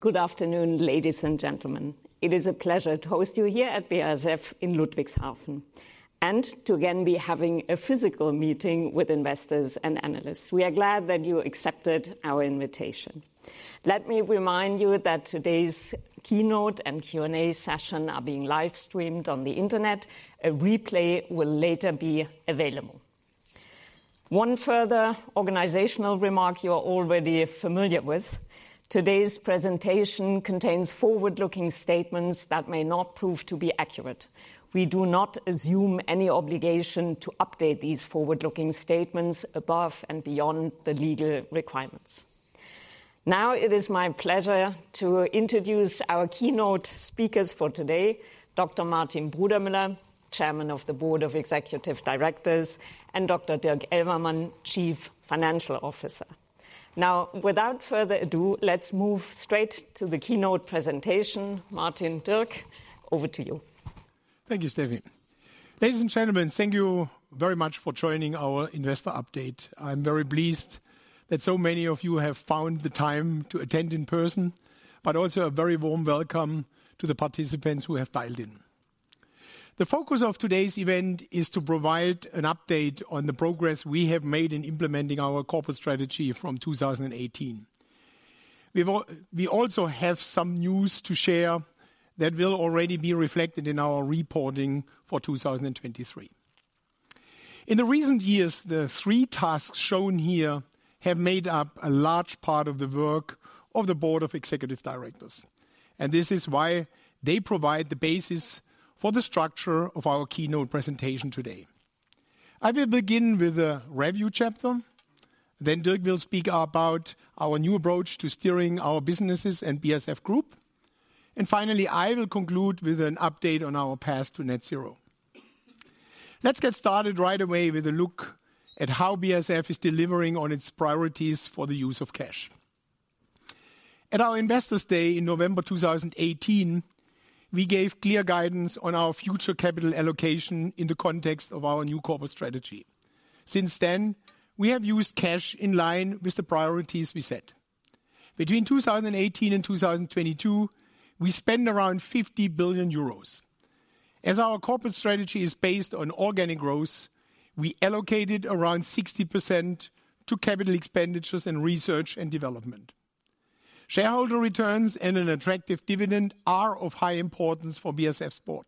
Good afternoon, ladies and gentlemen. It is a pleasure to host you here at BASF in Ludwigshafen, and to again be having a physical meeting with investors and analysts. We are glad that you accepted our invitation. Let me remind you that today's keynote and Q&A session are being live streamed on the internet. A replay will later be available. One further organizational remark you are already familiar with: today's presentation contains forward-looking statements that may not prove to be accurate. We do not assume any obligation to update these forward-looking statements above and beyond the legal requirements. Now, it is my pleasure to introduce our keynote speakers for today, Dr. Martin Brudermüller, Chairman of the Board of Executive Directors, and Dr. Dirk Elvermann, Chief Financial Officer. Now, without further ado, let's move straight to the keynote presentation. Martin, Dirk, over to you. Thank you, Stefanie. Ladies and gentlemen, thank you very much for joining our investor update. I'm very pleased that so many of you have found the time to attend in person, but also a very warm welcome to the participants who have dialed in. The focus of today's event is to provide an update on the progress we have made in implementing our corporate strategy from 2018. We also have some news to share that will already be reflected in our reporting for 2023. In the recent years, the three tasks shown here have made up a large part of the work of the Board of Executive Directors, and this is why they provide the basis for the structure of our keynote presentation today. I will begin with a review chapter, then Dirk will speak about our new approach to steering our businesses and BASF Group. Finally, I will conclude with an update on our path to net zero. Let's get started right away with a look at how BASF is delivering on its priorities for the use of cash. At our Investors Day in November 2018, we gave clear guidance on our future capital allocation in the context of our new corporate strategy. Since then, we have used cash in line with the priorities we set. Between 2018 and 2022, we spent around 50 billion euros. As our corporate strategy is based on organic growth, we allocated around 60% to capital expenditures and research and development. Shareholder returns and an attractive dividend are of high importance for BASF's board.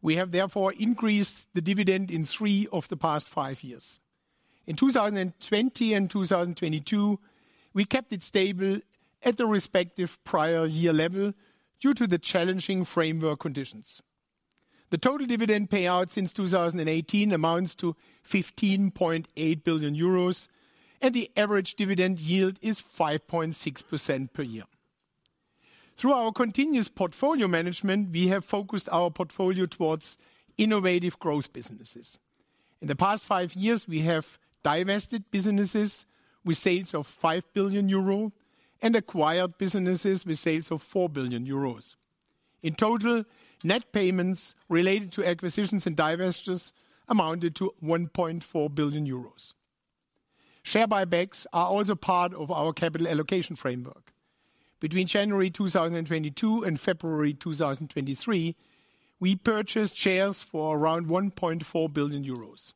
We have therefore increased the dividend in 3 of the past 5 years. In 2020 and 2022, we kept it stable at the respective prior year level due to the challenging framework conditions. The total dividend payout since 2018 amounts to 15.8 billion euros, and the average dividend yield is 5.6% per year. Through our continuous portfolio management, we have focused our portfolio towards innovative growth businesses. In the past 5 years, we have divested businesses with sales of 5 billion euro and acquired businesses with sales of 4 billion euros. In total, net payments related to acquisitions and divestitures amounted to 1.4 billion euros. Share buybacks are also part of our capital allocation framework. Between January 2022 and February 2023, we purchased shares for around 1.4 billion euros.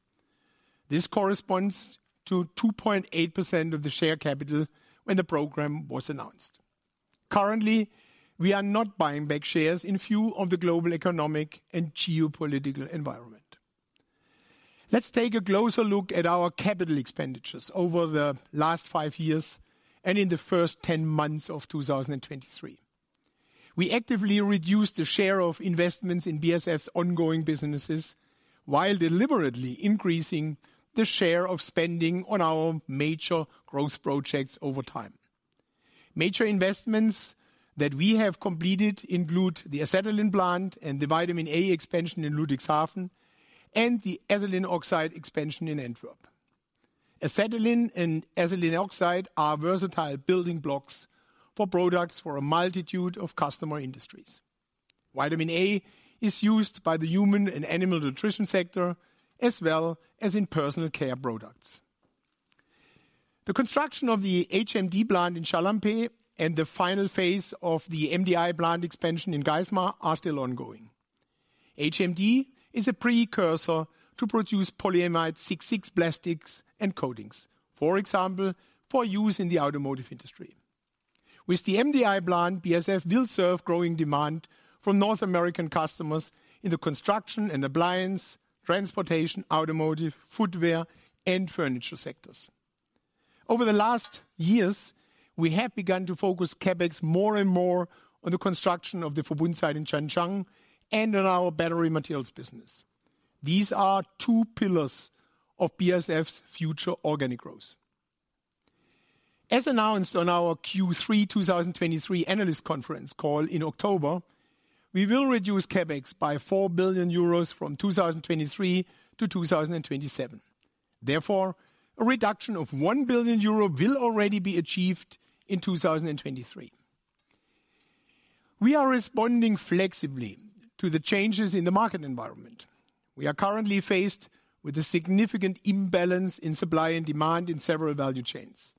This corresponds to 2.8% of the share capital when the program was announced. Currently, we are not buying back shares in view of the global economic and geopolitical environment. Let's take a closer look at our capital expenditures over the last five years and in the first 10 months of 2023. We actively reduced the share of investments in BASF's ongoing businesses, while deliberately increasing the share of spending on our major growth projects over time. Major investments that we have completed include the acetylene plant and the vitamin A expansion in Ludwigshafen, and the ethylene oxide expansion in Antwerp. Acetylene and ethylene oxide are versatile building blocks for products for a multitude of customer industries. Vitamin A is used by the human and animal nutrition sector, as well as in personal care products. The construction of the HMD plant in Chalampé and the final phase of the MDI plant expansion in Geismar are still ongoing. HMD is a precursor to produce polyamide 6,6 plastics and coatings, for example, for use in the automotive industry. With the MDI plant, BASF will serve growing demand from North American customers in the construction and appliance, transportation, automotive, footwear, and furniture sectors. Over the last years, we have begun to focus CapEx more and more on the construction of the Verbund site in Zhanjiang and on our battery materials business. These are two pillars of BASF's future organic growth. As announced on our Q3-2023 analyst conference call in October, we will reduce CapEx by 4 billion euros from 2023 to 2027. Therefore, a reduction of 1 billion euro will already be achieved in 2023. We are responding flexibly to the changes in the market environment. We are currently faced with a significant imbalance in supply and demand in several value chains,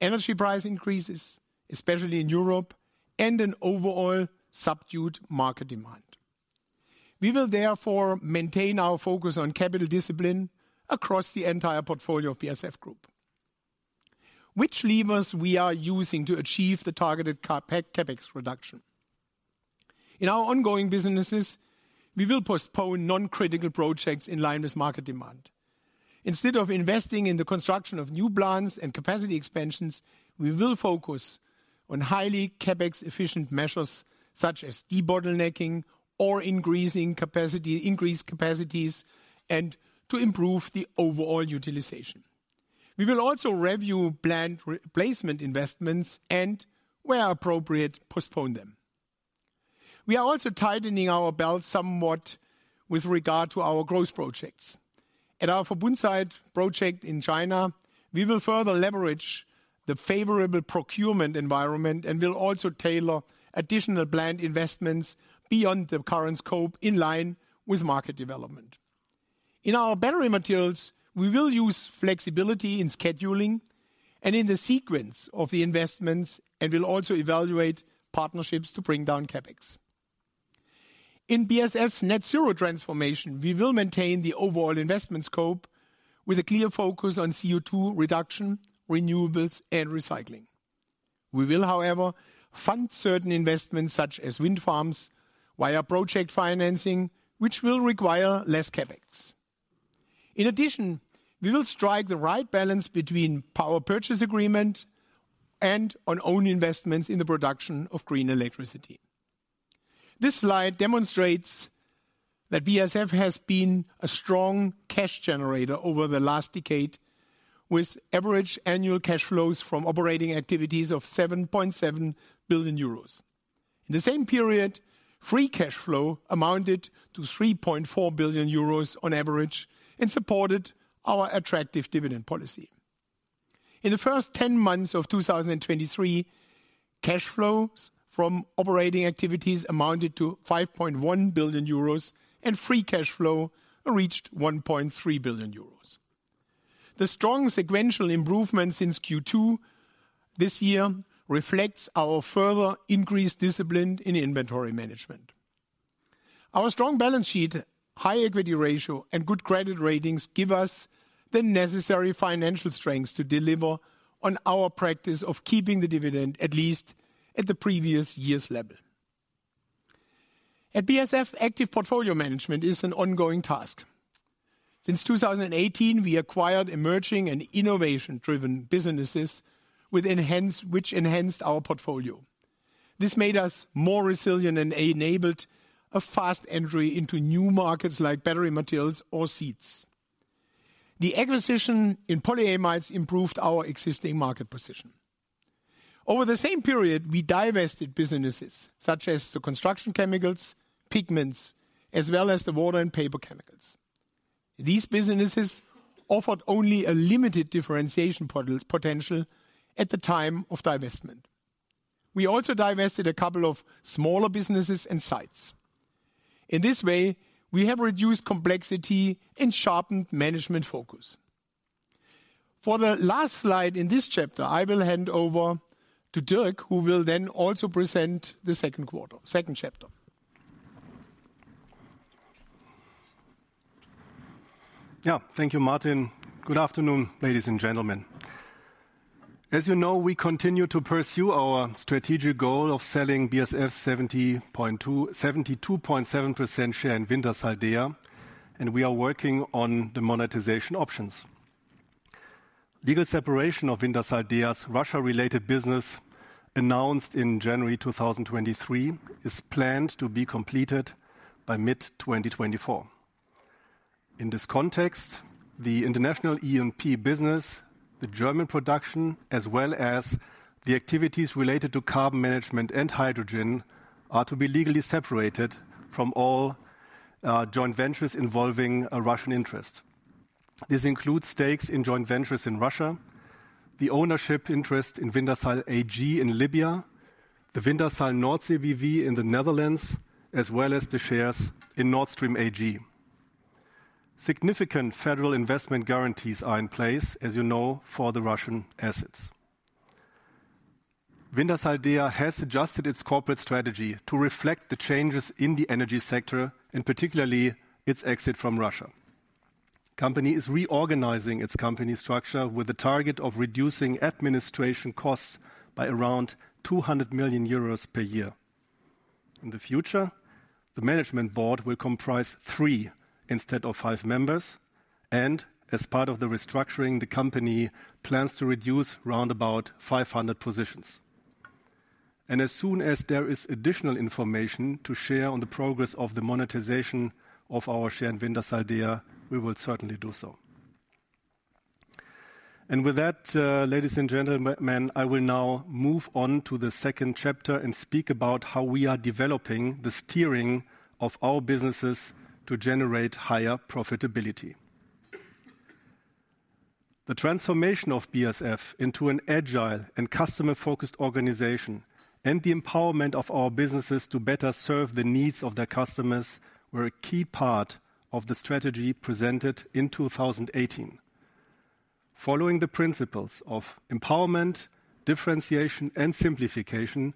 energy price increases, especially in Europe, and an overall subdued market demand. We will therefore maintain our focus on capital discipline across the entire portfolio of BASF Group. Which levers we are using to achieve the targeted CapEx reduction? In our ongoing businesses, we will postpone non-critical projects in line with market demand. Instead of investing in the construction of new plants and capacity expansions, we will focus on highly CapEx-efficient measures, such as debottlenecking or increasing capacity - increase capacities and to improve the overall utilization. We will also review plant replacement investments and, where appropriate, postpone them. We are also tightening our belt somewhat with regard to our growth projects. At our Verbund site project in China, we will further leverage the favorable procurement environment and will also tailor additional plant investments beyond the current scope in line with market development. In our battery materials, we will use flexibility in scheduling and in the sequence of the investments, and we'll also evaluate partnerships to bring down CapEx. In BASF Net Zero transformation, we will maintain the overall investment scope with a clear focus on CO2 reduction, renewables, and recycling. We will, however, fund certain investments, such as wind farms, via project financing, which will require less CapEx. In addition, we will strike the right balance between power purchase agreement and on own investments in the production of green electricity. This slide demonstrates that BASF has been a strong cash generator over the last decade, with average annual cash flows from operating activities of 7.7 billion euros. In the same period, free cash flow amounted to 3.4 billion euros on average and supported our attractive dividend policy. In the first 10 months of 2023, cash flows from operating activities amounted to 5.1 billion euros, and free cash flow reached 1.3 billion euros. The strong sequential improvement since Q2 this year reflects our further increased discipline in inventory management. Our strong balance sheet, high equity ratio, and good credit ratings give us the necessary financial strengths to deliver on our practice of keeping the dividend, at least at the previous year's level. At BASF, active portfolio management is an ongoing task. Since 2018, we acquired emerging and innovation-driven businesses which enhanced our portfolio. This made us more resilient and enabled a fast entry into new markets like battery materials or seeds. The acquisition in polyamides improved our existing market position. Over the same period, we divested businesses such as the construction chemicals, pigments, as well as the water and paper chemicals. These businesses offered only a limited differentiation potential at the time of divestment. We also divested a couple of smaller businesses and sites. In this way, we have reduced complexity and sharpened management focus. For the last slide in this chapter, I will hand over to Dirk, who will then also present the second chapter. Yeah. Thank you, Martin. Good afternoon, ladies and gentlemen. As you know, we continue to pursue our strategic goal of selling BASF's 72.7% share in Wintershall Dea, and we are working on the monetization options. Legal separation of Wintershall Dea's Russia-related business, announced in January 2023, is planned to be completed by mid-2024. In this context, the international E&P business, the German production, as well as the activities related to carbon management and hydrogen, are to be legally separated from all joint ventures involving a Russian interest. This includes stakes in joint ventures in Russia, the ownership interest in Wintershall AG in Libya, the Wintershall Nordsee GmbH in the Netherlands, as well as the shares in Nord Stream AG. Significant federal investment guarantees are in place, as you know, for the Russian assets. Wintershall Dea has adjusted its corporate strategy to reflect the changes in the energy sector and particularly its exit from Russia. The company is reorganizing its company structure with a target of reducing administration costs by around 200 million euros per year. In the future, the management board will comprise 3 instead of 5 members, and as part of the restructuring, the company plans to reduce around 500 positions. As soon as there is additional information to share on the progress of the monetization of our share in Wintershall Dea, we will certainly do so. With that, ladies and gentlemen, I will now move on to the second chapter and speak about how we are developing the steering of our businesses to generate higher profitability. The transformation of BASF into an agile and customer-focused organization, and the empowerment of our businesses to better serve the needs of their customers, were a key part of the strategy presented in 2018. Following the principles of empowerment, differentiation, and simplification,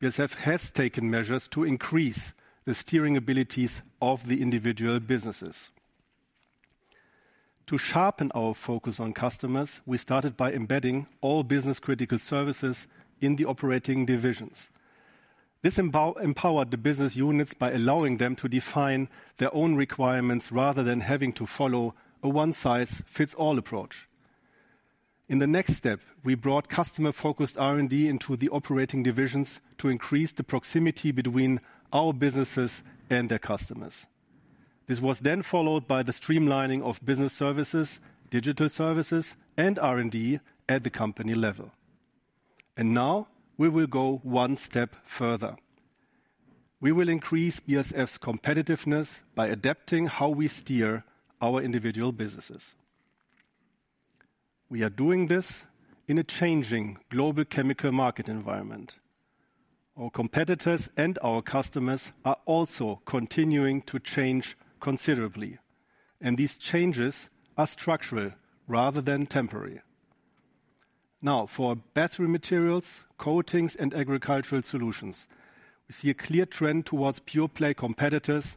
BASF has taken measures to increase the steering abilities of the individual businesses. To sharpen our focus on customers, we started by embedding all business-critical services in the operating divisions. This empowered the business units by allowing them to define their own requirements, rather than having to follow a one-size-fits-all approach. In the next step, we brought customer-focused R&D into the operating divisions to increase the proximity between our businesses and their customers. This was then followed by the streamlining of business services, digital services, and R&D at the company level. Now, we will go one step further. We will increase BASF's competitiveness by adapting how we steer our individual businesses. We are doing this in a changing global chemical market environment. Our competitors and our customers are also continuing to change considerably, and these changes are structural rather than temporary. Now, for battery materials, coatings, and agricultural solutions, we see a clear trend towards pure-play competitors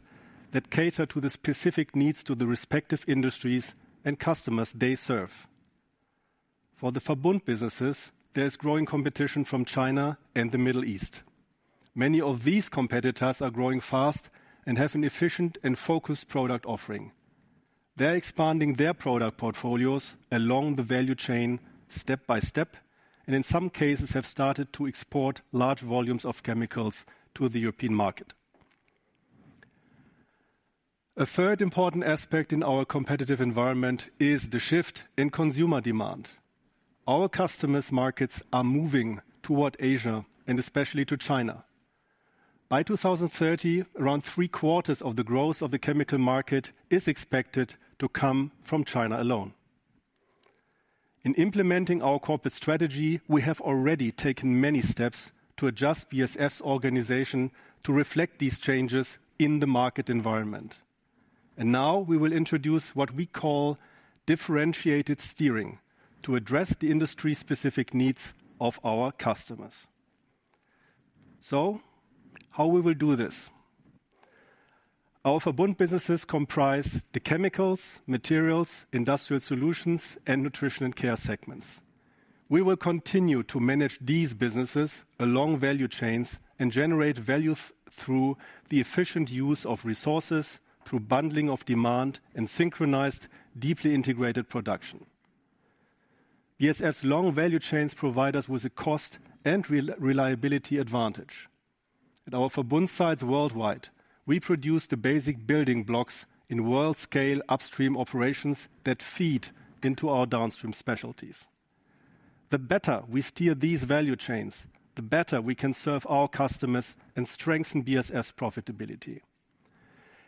that cater to the specific needs to the respective industries and customers they serve. For the Verbund businesses, there is growing competition from China and the Middle East. Many of these competitors are growing fast and have an efficient and focused product offering. They're expanding their product portfolios along the value chain step by step, and in some cases have started to export large volumes of chemicals to the European market. A third important aspect in our competitive environment is the shift in consumer demand. Our customers' markets are moving toward Asia and especially to China. By 2030, around three-quarters of the growth of the chemical market is expected to come from China alone. In implementing our corporate strategy, we have already taken many steps to adjust BASF's organization to reflect these changes in the market environment. Now we will introduce what we call differentiated steering to address the industry-specific needs of our customers. So, how we will do this? Our Verbund businesses comprise the chemicals, materials, industrial solutions, and nutrition and care segments. We will continue to manage these businesses along value chains and generate values through the efficient use of resources, through bundling of demand, and synchronized, deeply integrated production. BASF's long value chains provide us with a cost and reliability advantage. At our Verbund sites worldwide, we produce the basic building blocks in world-scale upstream operations that feed into our downstream specialties. The better we steer these value chains, the better we can serve our customers and strengthen BASF's profitability.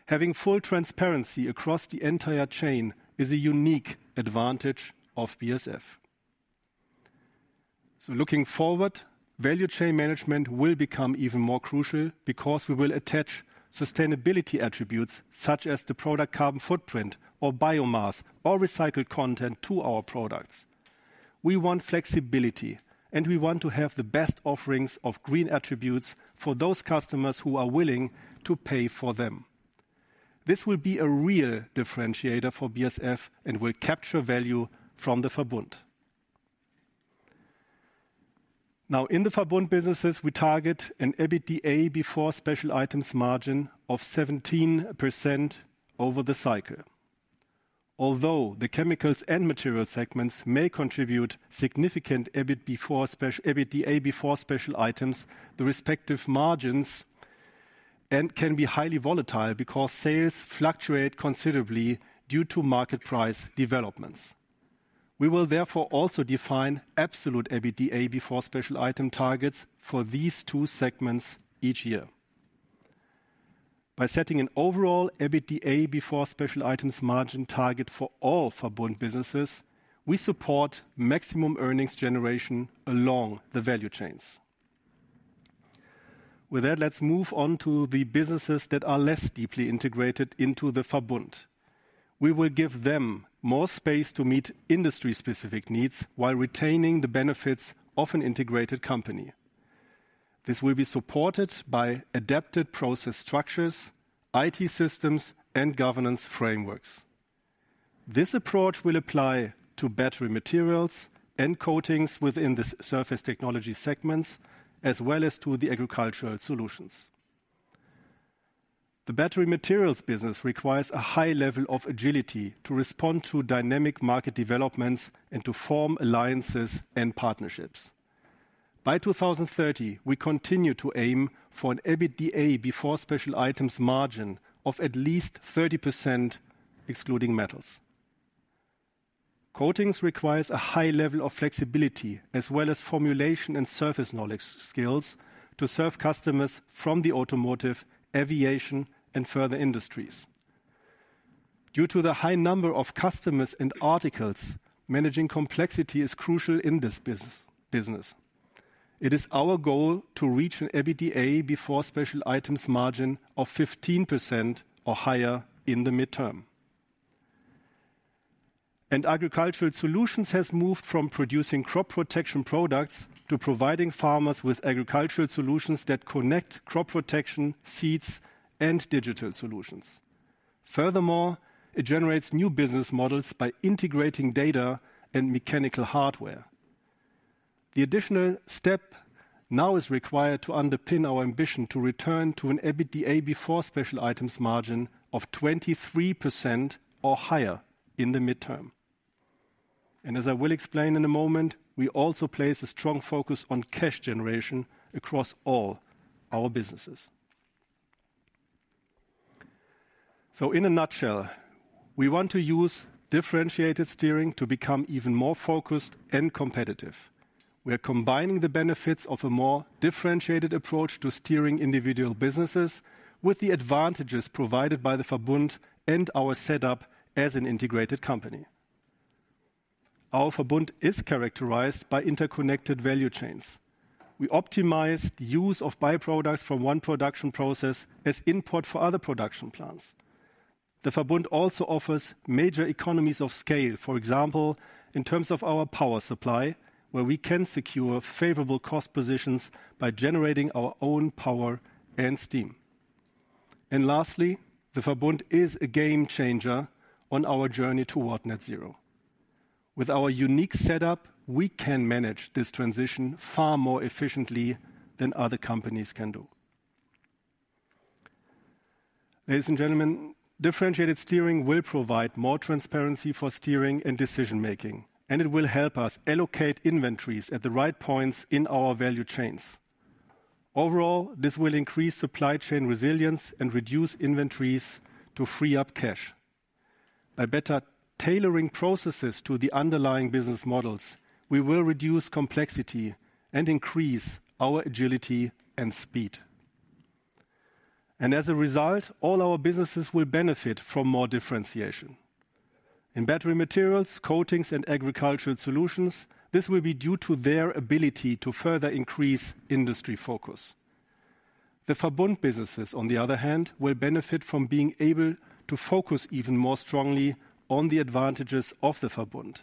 Having full transparency across the entire chain is a unique advantage of BASF. So looking forward, value chain management will become even more crucial because we will attach sustainability attributes, such as the product carbon footprint or biomass or recycled content to our products. We want flexibility, and we want to have the best offerings of green attributes for those customers who are willing to pay for them. This will be a real differentiator for BASF and will capture value from the Verbund. Now, in the Verbund businesses, we target an EBITDA before special items margin of 17% over the cycle. Although the chemicals and materials segments may contribute significant EBIT before special, EBITDA before special items, the respective margins, and can be highly volatile because sales fluctuate considerably due to market price developments. We will therefore also define absolute EBITDA before special item targets for these two segments each year. By setting an overall EBITDA before special items margin target for all Verbund businesses, we support maximum earnings generation along the value chains. With that, let's move on to the businesses that are less deeply integrated into the Verbund. We will give them more space to meet industry-specific needs while retaining the benefits of an integrated company. This will be supported by adapted process structures, IT systems, and governance frameworks. This approach will apply to battery materials and coatings within the surface technology segments, as well as to the agricultural solutions. The battery materials business requires a high level of agility to respond to dynamic market developments and to form alliances and partnerships. By 2030, we continue to aim for an EBITDA before special items margin of at least 30%, excluding metals. Coatings requires a high level of flexibility as well as formulation and surface knowledge skills to serve customers from the automotive, aviation, and further industries. Due to the high number of customers and articles, managing complexity is crucial in this business. It is our goal to reach an EBITDA before special items margin of 15% or higher in the midterm. Agricultural Solutions has moved from producing crop protection products to providing farmers with agricultural solutions that connect crop protection, seeds, and digital solutions. Furthermore, it generates new business models by integrating data and mechanical hardware. The additional step now is required to underpin our ambition to return to an EBITDA before special items margin of 23% or higher in the midterm. As I will explain in a moment, we also place a strong focus on cash generation across all our businesses. In a nutshell, we want to use differentiated steering to become even more focused and competitive. We are combining the benefits of a more differentiated approach to steering individual businesses, with the advantages provided by the Verbund and our setup as an integrated company. Our Verbund is characterized by interconnected value chains. We optimize the use of byproducts from one production process as input for other production plants. The Verbund also offers major economies of scale, for example, in terms of our power supply, where we can secure favorable cost positions by generating our own power and steam. Lastly, the Verbund is a game changer on our journey toward net zero. With our unique setup, we can manage this transition far more efficiently than other companies can do. Ladies and gentlemen, differentiated steering will provide more transparency for steering and decision-making, and it will help us allocate inventories at the right points in our value chains. Overall, this will increase supply chain resilience and reduce inventories to free up cash. By better tailoring processes to the underlying business models, we will reduce complexity and increase our agility and speed. And as a result, all our businesses will benefit from more differentiation. In Battery Materials, Coatings, and Agricultural Solutions, this will be due to their ability to further increase industry focus. The Verbund businesses, on the other hand, will benefit from being able to focus even more strongly on the advantages of the Verbund.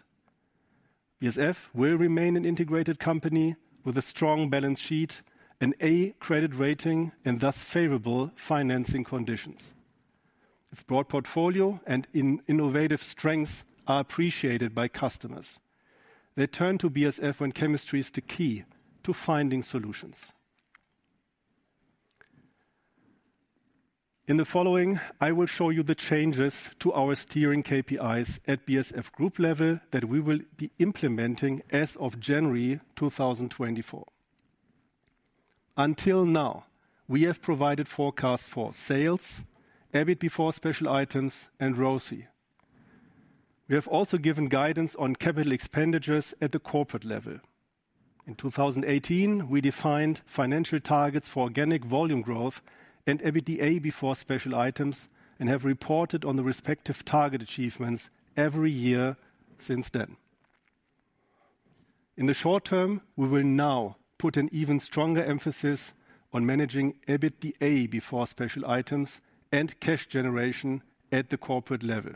BASF will remain an integrated company with a strong balance sheet, an A credit rating, and thus favorable financing conditions. Its broad portfolio and innovative strengths are appreciated by customers. They turn to BASF when chemistry is the key to finding solutions. In the following, I will show you the changes to our steering KPIs at BASF Group level that we will be implementing as of January 2024. Until now, we have provided forecasts for sales, EBIT before special items, and ROCE. We have also given guidance on capital expenditures at the corporate level. In 2018, we defined financial targets for organic volume growth and EBITDA before special items, and have reported on the respective target achievements every year since then. In the short term, we will now put an even stronger emphasis on managing EBITDA before special items and cash generation at the corporate level.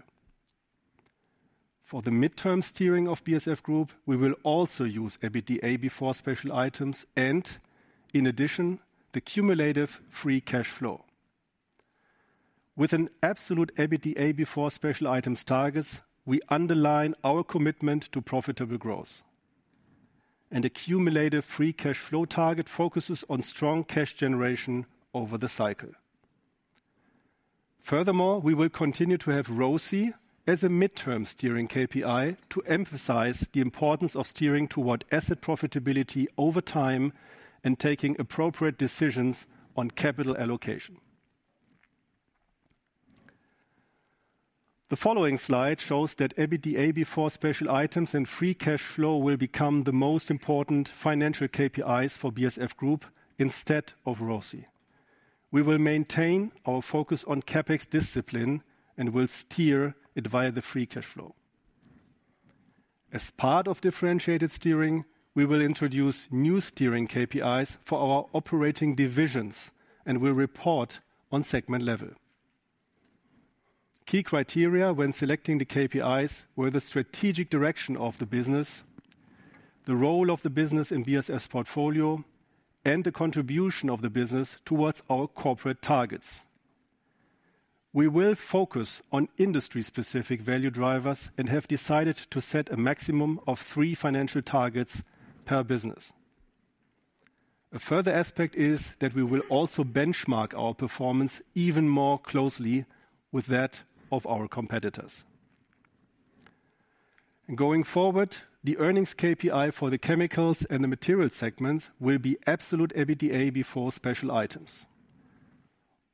For the midterm steering of BASF Group, we will also use EBITDA before special items and, in addition, the cumulative free cash flow. With an absolute EBITDA before special items targets, we underline our commitment to profitable growth. A cumulative free cash flow target focuses on strong cash generation over the cycle. Furthermore, we will continue to have ROCE as a midterm steering KPI to emphasize the importance of steering toward asset profitability over time and taking appropriate decisions on capital allocation. The following slide shows that EBITDA before special items and free cash flow will become the most important financial KPIs for BASF Group instead of ROCE. We will maintain our focus on CapEx discipline and will steer it via the free cash flow. As part of differentiated steering, we will introduce new steering KPIs for our operating divisions and will report on segment level. Key criteria when selecting the KPIs were the strategic direction of the business, the role of the business in BASF portfolio, and the contribution of the business towards our corporate targets. We will focus on industry-specific value drivers and have decided to set a maximum of three financial targets per business. A further aspect is that we will also benchmark our performance even more closely with that of our competitors. Going forward, the earnings KPI for the Chemicals and the Materials segments will be absolute EBITDA before special items.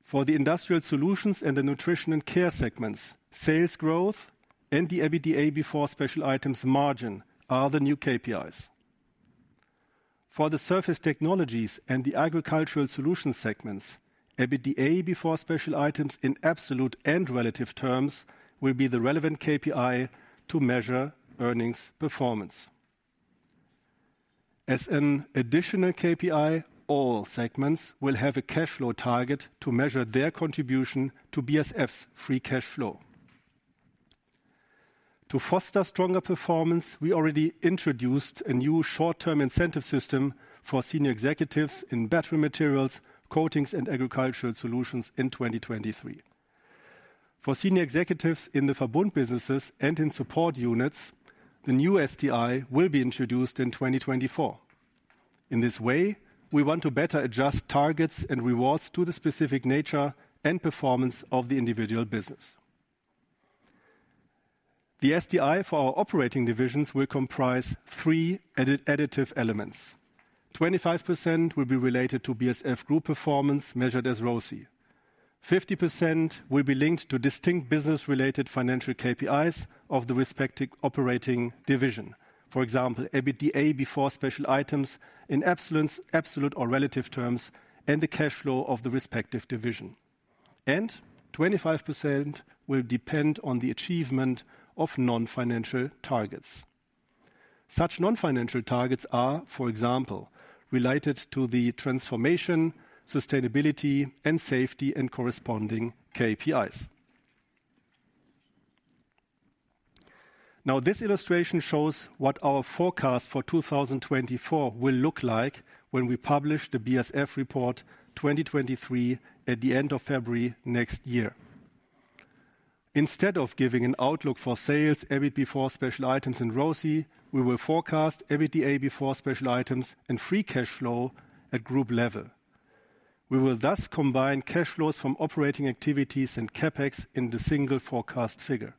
For the Industrial Solutions and the Nutrition and Care segments, sales growth and the EBITDA before special items margin are the new KPIs. For the Surface Technologies and the Agricultural Solutions segments, EBITDA before special items in absolute and relative terms will be the relevant KPI to measure earnings performance. As an additional KPI, all segments will have a cash flow target to measure their contribution to BASF's free cash flow. To foster stronger performance, we already introduced a new short-term incentive system for senior executives in battery materials, coatings, and agricultural solutions in 2023. For senior executives in the Verbund businesses and in support units, the new STI will be introduced in 2024. In this way, we want to better adjust targets and rewards to the specific nature and performance of the individual business. The STI for our operating divisions will comprise three additive elements. 25% will be related to BASF Group performance, measured as ROCE 50% will be linked to distinct business-related financial KPIs of the respective operating division. For example, EBITDA before special items in absolute or relative terms, and the cash flow of the respective division. 25% will depend on the achievement of non-financial targets. Such non-financial targets are, for example, related to the transformation, sustainability, and safety, and corresponding KPIs. Now, this illustration shows what our forecast for 2024 will look like when we publish the BASF Report 2023 at the end of February next year. Instead of giving an outlook for sales, EBIT before special items and ROCE, we will forecast EBITDA before special items and free cash flow at group level. We will thus combine cash flows from operating activities and CapEx in the single forecast figure.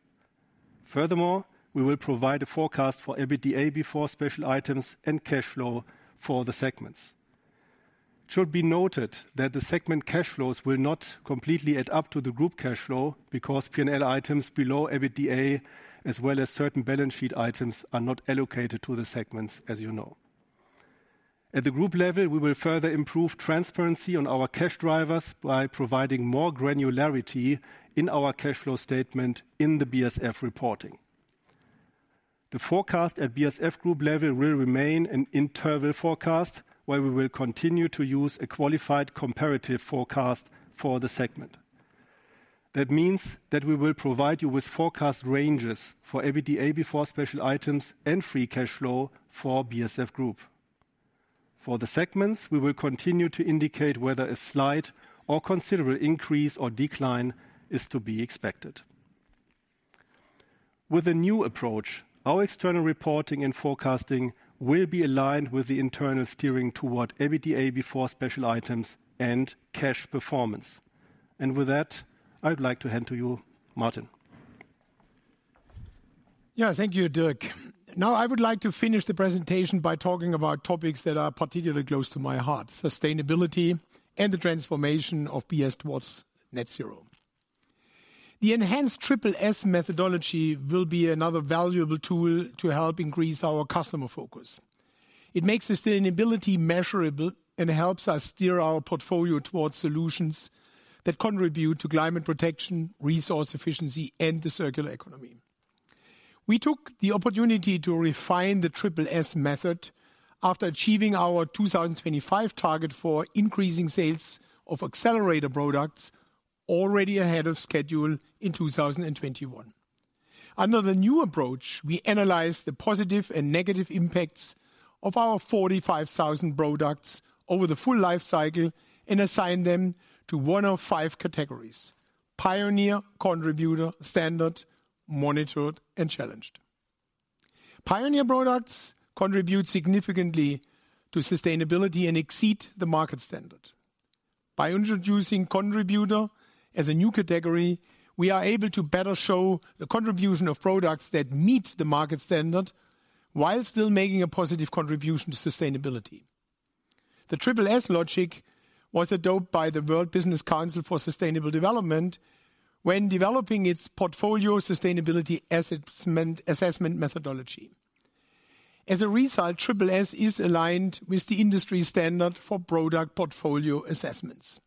Furthermore, we will provide a forecast for EBITDA before special items and cash flow for the segments. It should be noted that the segment cash flows will not completely add up to the group cash flow, because P&L items below EBITDA, as well as certain balance sheet items, are not allocated to the segments, as you know. At the group level, we will further improve transparency on our cash drivers by providing more granularity in our cash flow statement in the BASF reporting. The forecast at BASF Group level will remain an interval forecast, where we will continue to use a qualified comparative forecast for the segment. That means that we will provide you with forecast ranges for EBITDA before special items and free cash flow for BASF Group. For the segments, we will continue to indicate whether a slight or considerable increase or decline is to be expected. With a new approach, our external reporting and forecasting will be aligned with the internal steering toward EBITDA before special items and cash performance. With that, I would like to hand to you, Martin. Yeah. Thank you, Dirk. Now, I would like to finish the presentation by talking about topics that are particularly close to my heart: sustainability and the transformation of BASF towards net zero. The enhanced TripleS methodology will be another valuable tool to help increase our customer focus. It makes sustainability measurable and helps us steer our portfolio towards solutions that contribute to climate protection, resource efficiency, and the circular economy. We took the opportunity to refine the TripleS method after achieving our 2025 target for increasing sales of accelerator products already ahead of schedule in 2021. Under the new approach, we analyze the positive and negative impacts of our 45,000 products over the full life cycle and assign them to one of five categories: pioneer, contributor, standard, monitored, and challenged. Pioneer products contribute significantly to sustainability and exceed the market standard. By introducing Contributor as a new category, we are able to better show the contribution of products that meet the market standard, while still making a positive contribution to sustainability. The TripleS logic was adopted by the World Business Council for Sustainable Development when developing its portfolio sustainability assessment methodology. As a result, TripleS is aligned with the industry standard for product portfolio assessments.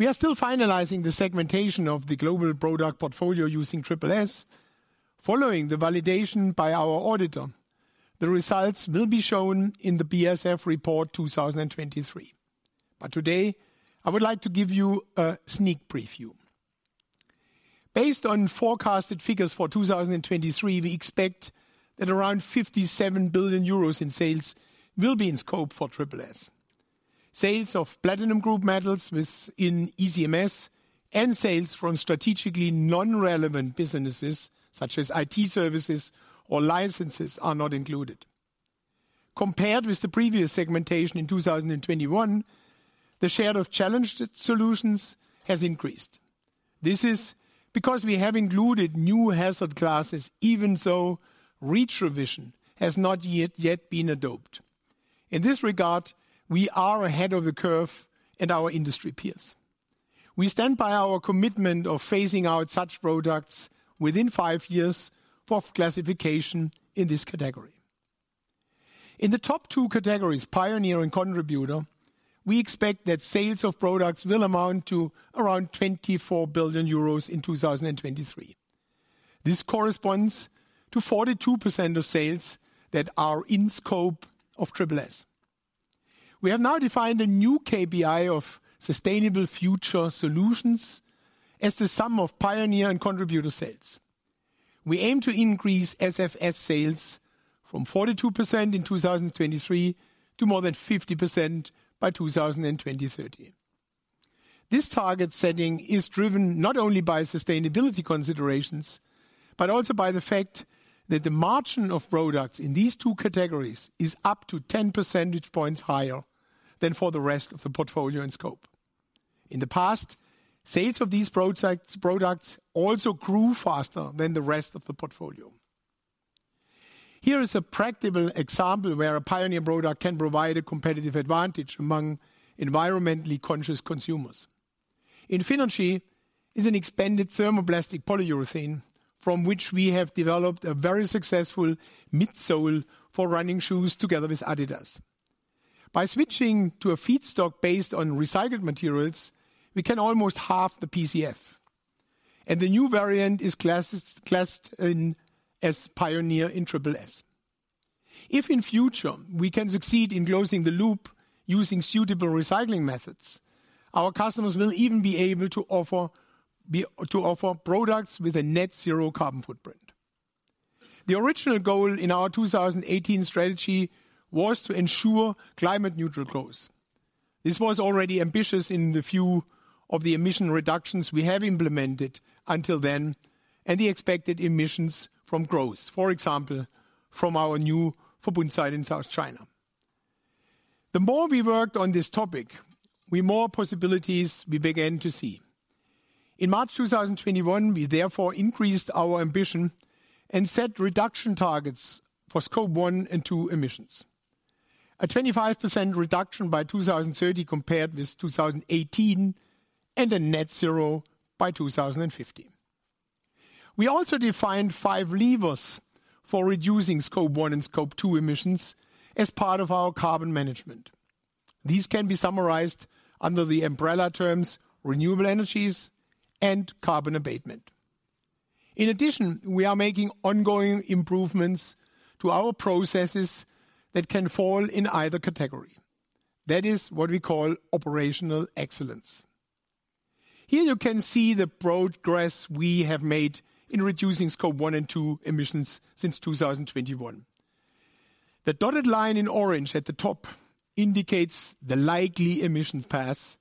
We are still finalizing the segmentation of the global product portfolio using TripleS. Following the validation by our auditor, the results will be shown in the BASF Report 2023. But today, I would like to give you a sneak preview. Based on forecasted figures for 2023, we expect that around 57 billion euros in sales will be in scope for TripleS. Sales of platinum group metals within ECMS and sales from strategically non-relevant businesses, such as IT services or licenses, are not included. Compared with the previous segmentation in 2021, the share of challenged solutions has increased. This is because we have included new hazard classes, even though REACH revision has not yet been adopted. In this regard, we are ahead of the curve and our industry peers…. We stand by our commitment of phasing out such products within five years of classification in this category. In the top two categories, Pioneer and Contributor, we expect that sales of products will amount to around 24 billion euros in 2023. This corresponds to 42% of sales that are in scope of TripleS. We have now defined a new KPI of Sustainable Future Solutions as the sum of Pioneer and Contributor sales. We aim to increase SFS sales from 42% in 2023 to more than 50% by 2030. This target setting is driven not only by sustainability considerations, but also by the fact that the margin of products in these two categories is up to 10 percentage points higher than for the rest of the portfolio and scope. In the past, sales of these products also grew faster than the rest of the portfolio. Here is a practical example where a Pioneer product can provide a competitive advantage among environmentally conscious consumers. Infinergy is an expanded thermoplastic polyurethane from which we have developed a very successful midsole for running shoes together with Adidas. By switching to a feedstock based on recycled materials, we can almost half the PCF, and the new variant is classed in as Pioneer in TripleS. If in future we can succeed in closing the loop using suitable recycling methods, our customers will even be able to offer to offer products with a net zero carbon footprint. The original goal in our 2018 strategy was to ensure climate neutral growth. This was already ambitious in the view of the emission reductions we have implemented until then, and the expected emissions from growth, for example, from our new Verbund site in South China. The more we worked on this topic, the more possibilities we began to see. In March 2021, we therefore increased our ambition and set reduction targets for Scope 1 and 2 emissions. A 25% reduction by 2030 compared with 2018, and a net zero by 2050. We also defined five levers for reducing Scope 1 and Scope 2 emissions as part of our carbon management. These can be summarized under the umbrella terms, renewable energies and carbon abatement. In addition, we are making ongoing improvements to our processes that can fall in either category. That is what we call operational excellence. Here you can see the progress we have made in reducing scope one and two emissions since 2021. The dotted line in orange at the top indicates the likely emissions path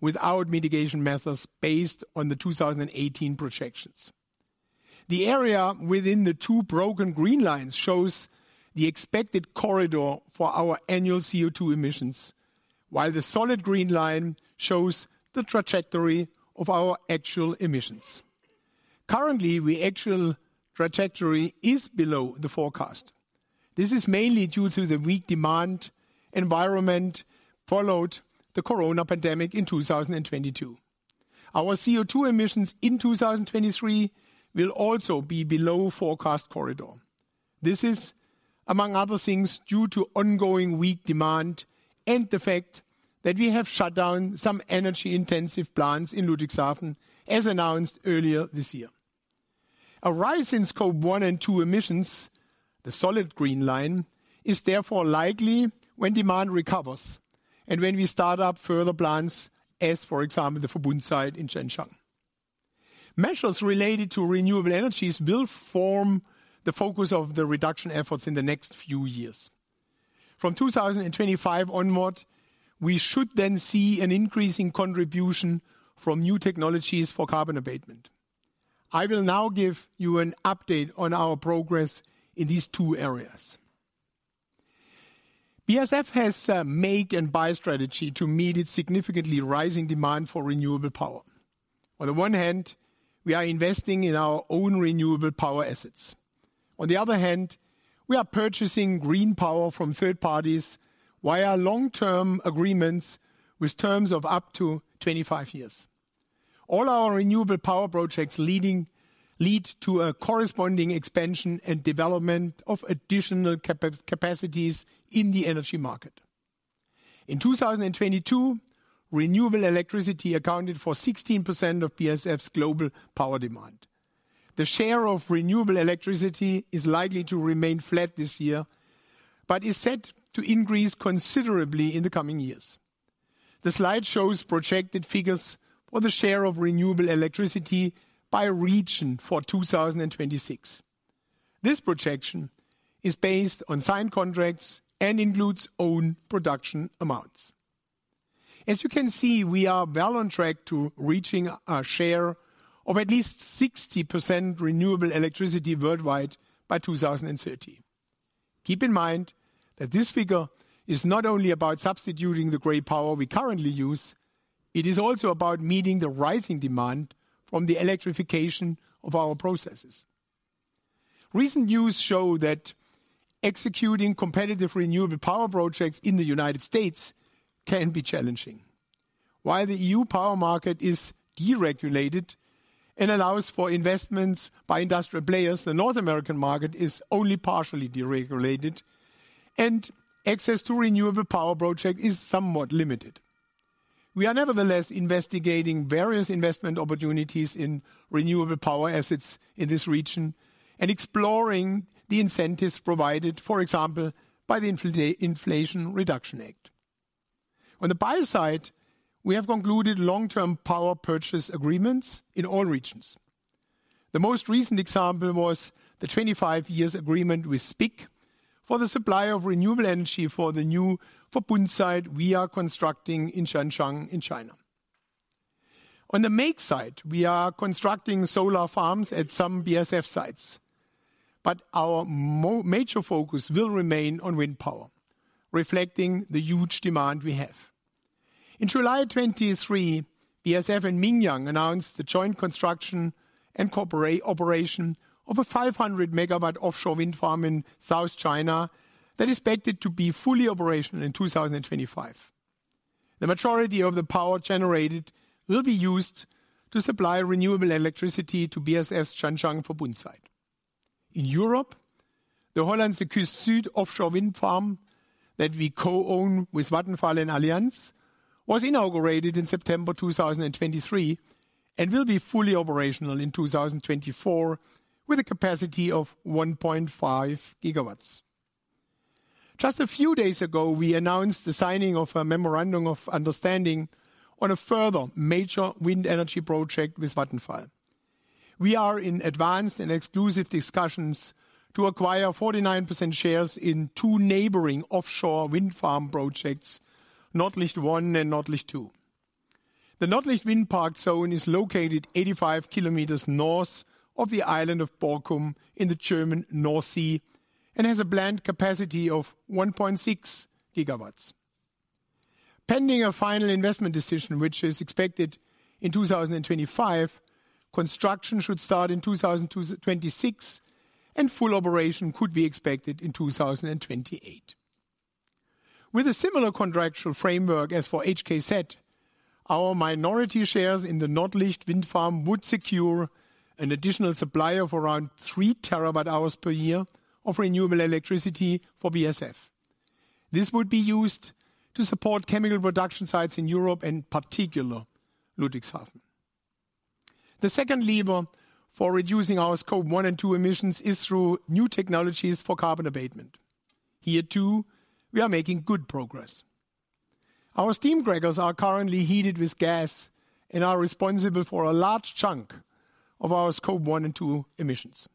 without mitigation methods based on the 2018 projections. The area within the two broken green lines shows the expected corridor for our annual CO₂ emissions, while the solid green line shows the trajectory of our actual emissions. Currently, the actual trajectory is below the forecast. This is mainly due to the weak demand environment followed the corona pandemic in 2022. Our CO₂ emissions in 2023 will also be below forecast corridor. This is, among other things, due to ongoing weak demand and the fact that we have shut down some energy-intensive plants in Ludwigshafen, as announced earlier this year. A rise in Scope 1 and 2 emissions, the solid green line, is therefore likely when demand recovers and when we start up further plants as, for example, the Verbund site in Zhanjiang. Measures related to renewable energies will form the focus of the reduction efforts in the next few years. From 2025 onward, we should then see an increase in contribution from new technologies for carbon abatement. I will now give you an update on our progress in these two areas. BASF has a make and buy strategy to meet its significantly rising demand for renewable power. On the one hand, we are investing in our own renewable power assets. On the other hand, we are purchasing green power from third parties via long-term agreements with terms of up to 25 years. All our renewable power projects lead to a corresponding expansion and development of additional capacities in the energy market. In 2022, renewable electricity accounted for 16% of BASF's global power demand. The share of renewable electricity is likely to remain flat this year, but is set to increase considerably in the coming years. The slide shows projected figures for the share of renewable electricity by region for 2026. This projection is based on signed contracts and includes own production amounts. As you can see, we are well on track to reaching a share of at least 60% renewable electricity worldwide by 2030. Keep in mind that this figure is not only about substituting the gray power we currently use, it is also about meeting the rising demand from the electrification of our processes. Recent news show that executing competitive renewable power projects in the United States can be challenging. While the EU power market is deregulated and allows for investments by industrial players, the North American market is only partially deregulated, and access to renewable power project is somewhat limited. We are nevertheless investigating various investment opportunities in renewable power assets in this region and exploring the incentives provided, for example, by the Inflation Reduction Act. On the buy side, we have concluded long-term power purchase agreements in all regions. The most recent example was the 25-year agreement with SPIC for the supply of renewable energy for the new Verbund site we are constructing in Zhanjiang in China. On the make side, we are constructing solar farms at some BASF sites, but our major focus will remain on wind power, reflecting the huge demand we have. In July 2023, BASF and Mingyang announced the joint construction and operation of a 500-megawatt offshore wind farm in South China that is expected to be fully operational in 2025. The majority of the power generated will be used to supply renewable electricity to BASF's Zhanjiang Verbund site. In Europe, the Hollandse Kust Zuid offshore wind farm that we co-own with Vattenfall and Allianz, was inaugurated in September 2023, and will be fully operational in 2024, with a capacity of 1.5 gigawatts. Just a few days ago, we announced the signing of a memorandum of understanding on a further major wind energy project with Vattenfall. We are in advanced and exclusive discussions to acquire 49% shares in two neighboring offshore wind farm projects, Nordlicht I and Nordlicht II. The Nordlicht Wind Park zone is located 85 kilometers north of the island of Borkum in the German North Sea and has a planned capacity of 1.6 gigawatts. Pending a final investment decision, which is expected in 2025, construction should start in 2026, and full operation could be expected in 2028. With a similar contractual framework as for HKZ, our minority shares in the Nordlicht Wind Farm would secure an additional supply of around 3 TWh per year of renewable electricity for BASF. This would be used to support chemical production sites in Europe, in particular, Ludwigshafen. The second lever for reducing our Scope one and two emissions is through new technologies for carbon abatement. Here, too, we are making good progress. Our steam crackers are currently heated with gas and are responsible for a large chunk of our Scope one and two emissions.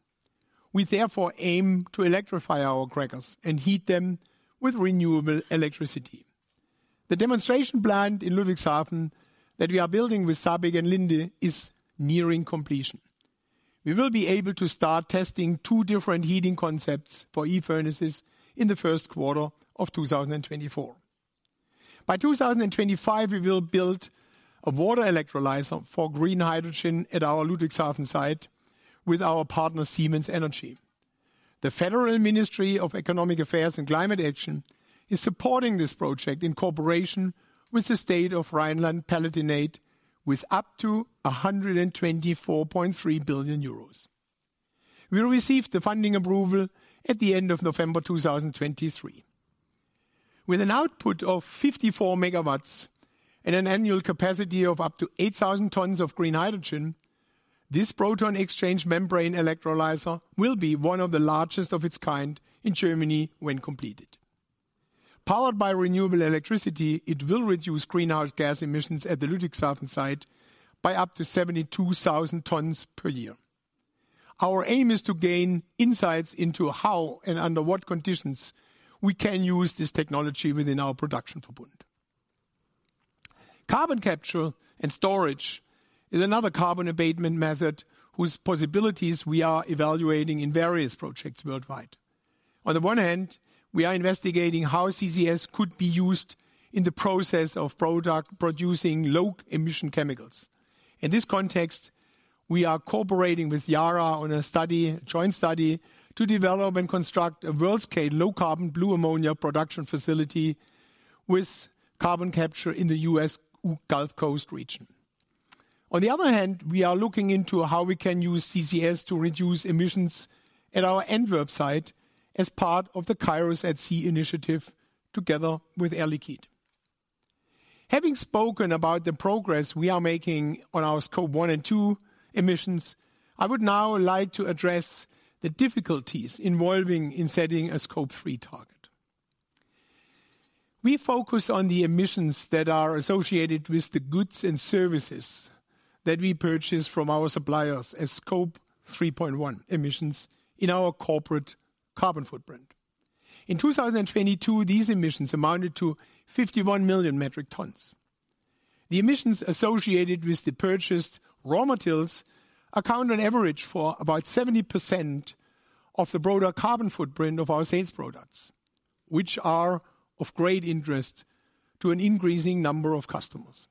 We therefore aim to electrify our crackers and heat them with renewable electricity. The demonstration plant in Ludwigshafen that we are building with SABIC and Linde is nearing completion. We will be able to start testing two different heating concepts for e-furnaces in the first quarter of 2024. By 2025, we will build a water electrolyzer for green hydrogen at our Ludwigshafen site with our partner, Siemens Energy. The Federal Ministry of Economic Affairs and Climate Action is supporting this project in cooperation with the state of Rhineland-Palatinate with up to 124.3 billion euros. We received the funding approval at the end of November 2023. With an output of 54 megawatts and an annual capacity of up to 8,000 tons of green hydrogen, this proton exchange membrane electrolyzer will be one of the largest of its kind in Germany when completed. Powered by renewable electricity, it will reduce greenhouse gas emissions at the Ludwigshafen site by up to 72,000 tons per year. Our aim is to gain insights into how and under what conditions we can use this technology within our production for Verbund. Carbon capture and storage is another carbon abatement method whose possibilities we are evaluating in various projects worldwide. On the one hand, we are investigating how CCS could be used in the process of product-producing low-emission chemicals. In this context, we are cooperating with Yara on a study, joint study, to develop and construct a world-scale low-carbon blue ammonia production facility with carbon capture in the US Gulf Coast region. On the other hand, we are looking into how we can use CCS to reduce emissions at our Antwerp site as part of the Kairos@C initiative together with Air Liquide. Having spoken about the progress we are making on our Scope 1 and 2 emissions, I would now like to address the difficulties involved in setting a Scope 3 target. We focus on the emissions that are associated with the goods and services that we purchase from our suppliers as Scope 3.1 emissions in our corporate carbon footprint. In 2022, these emissions amounted to 51 million metric tons. The emissions associated with the purchased raw materials account on average for about 70% of the broader carbon footprint of our sales products, which are of great interest to an increasing number of customers.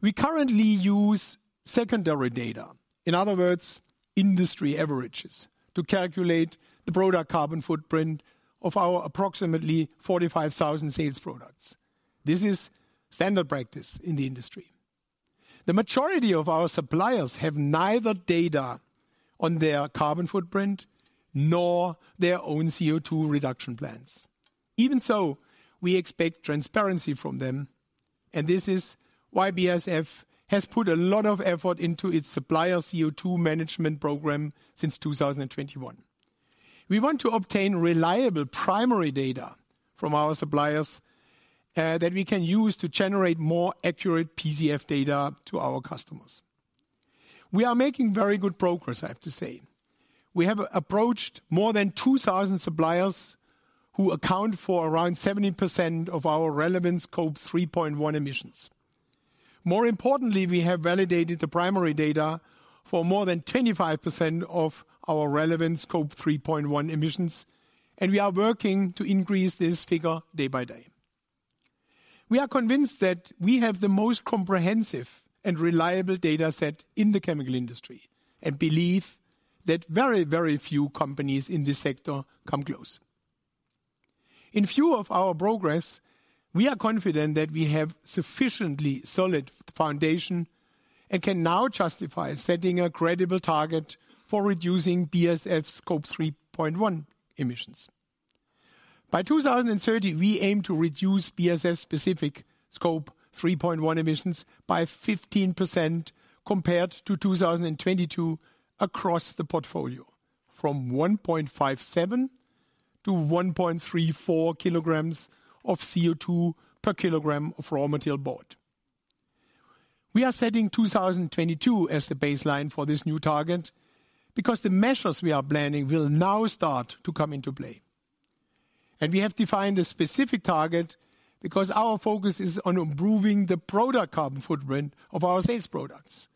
We currently use secondary data, in other words, industry averages, to calculate the product carbon footprint of our approximately 45,000 sales products. This is standard practice in the industry. The majority of our suppliers have neither data on their carbon footprint nor their own CO₂ reduction plans. Even so, we expect transparency from them, and this is why BASF has put a lot of effort into its supplier CO₂ management program since 2021. We want to obtain reliable primary data from our suppliers, that we can use to generate more accurate PCF data to our customers. We are making very good progress, I have to say. We have approached more than 2,000 suppliers, who account for around 70% of our relevant scope 3.1 emissions. More importantly, we have validated the primary data for more than 25% of our relevant scope 3.1 emissions, and we are working to increase this figure day by day. We are convinced that we have the most comprehensive and reliable data set in the chemical industry, and believe that very, very few companies in this sector come close. In view of our progress, we are confident that we have sufficiently solid foundation and can now justify setting a credible target for reducing BASF Scope 3.1 emissions. By 2030, we aim to reduce BASF specific Scope 3.1 emissions by 15% compared to 2022 across the portfolio, from 1.57 to 1.34 kilograms of CO₂ per kilogram of raw material bought. We are setting 2022 as the baseline for this new target, because the measures we are planning will now start to come into play. We have defined a specific target because our focus is on improving the product carbon footprint of our sales products,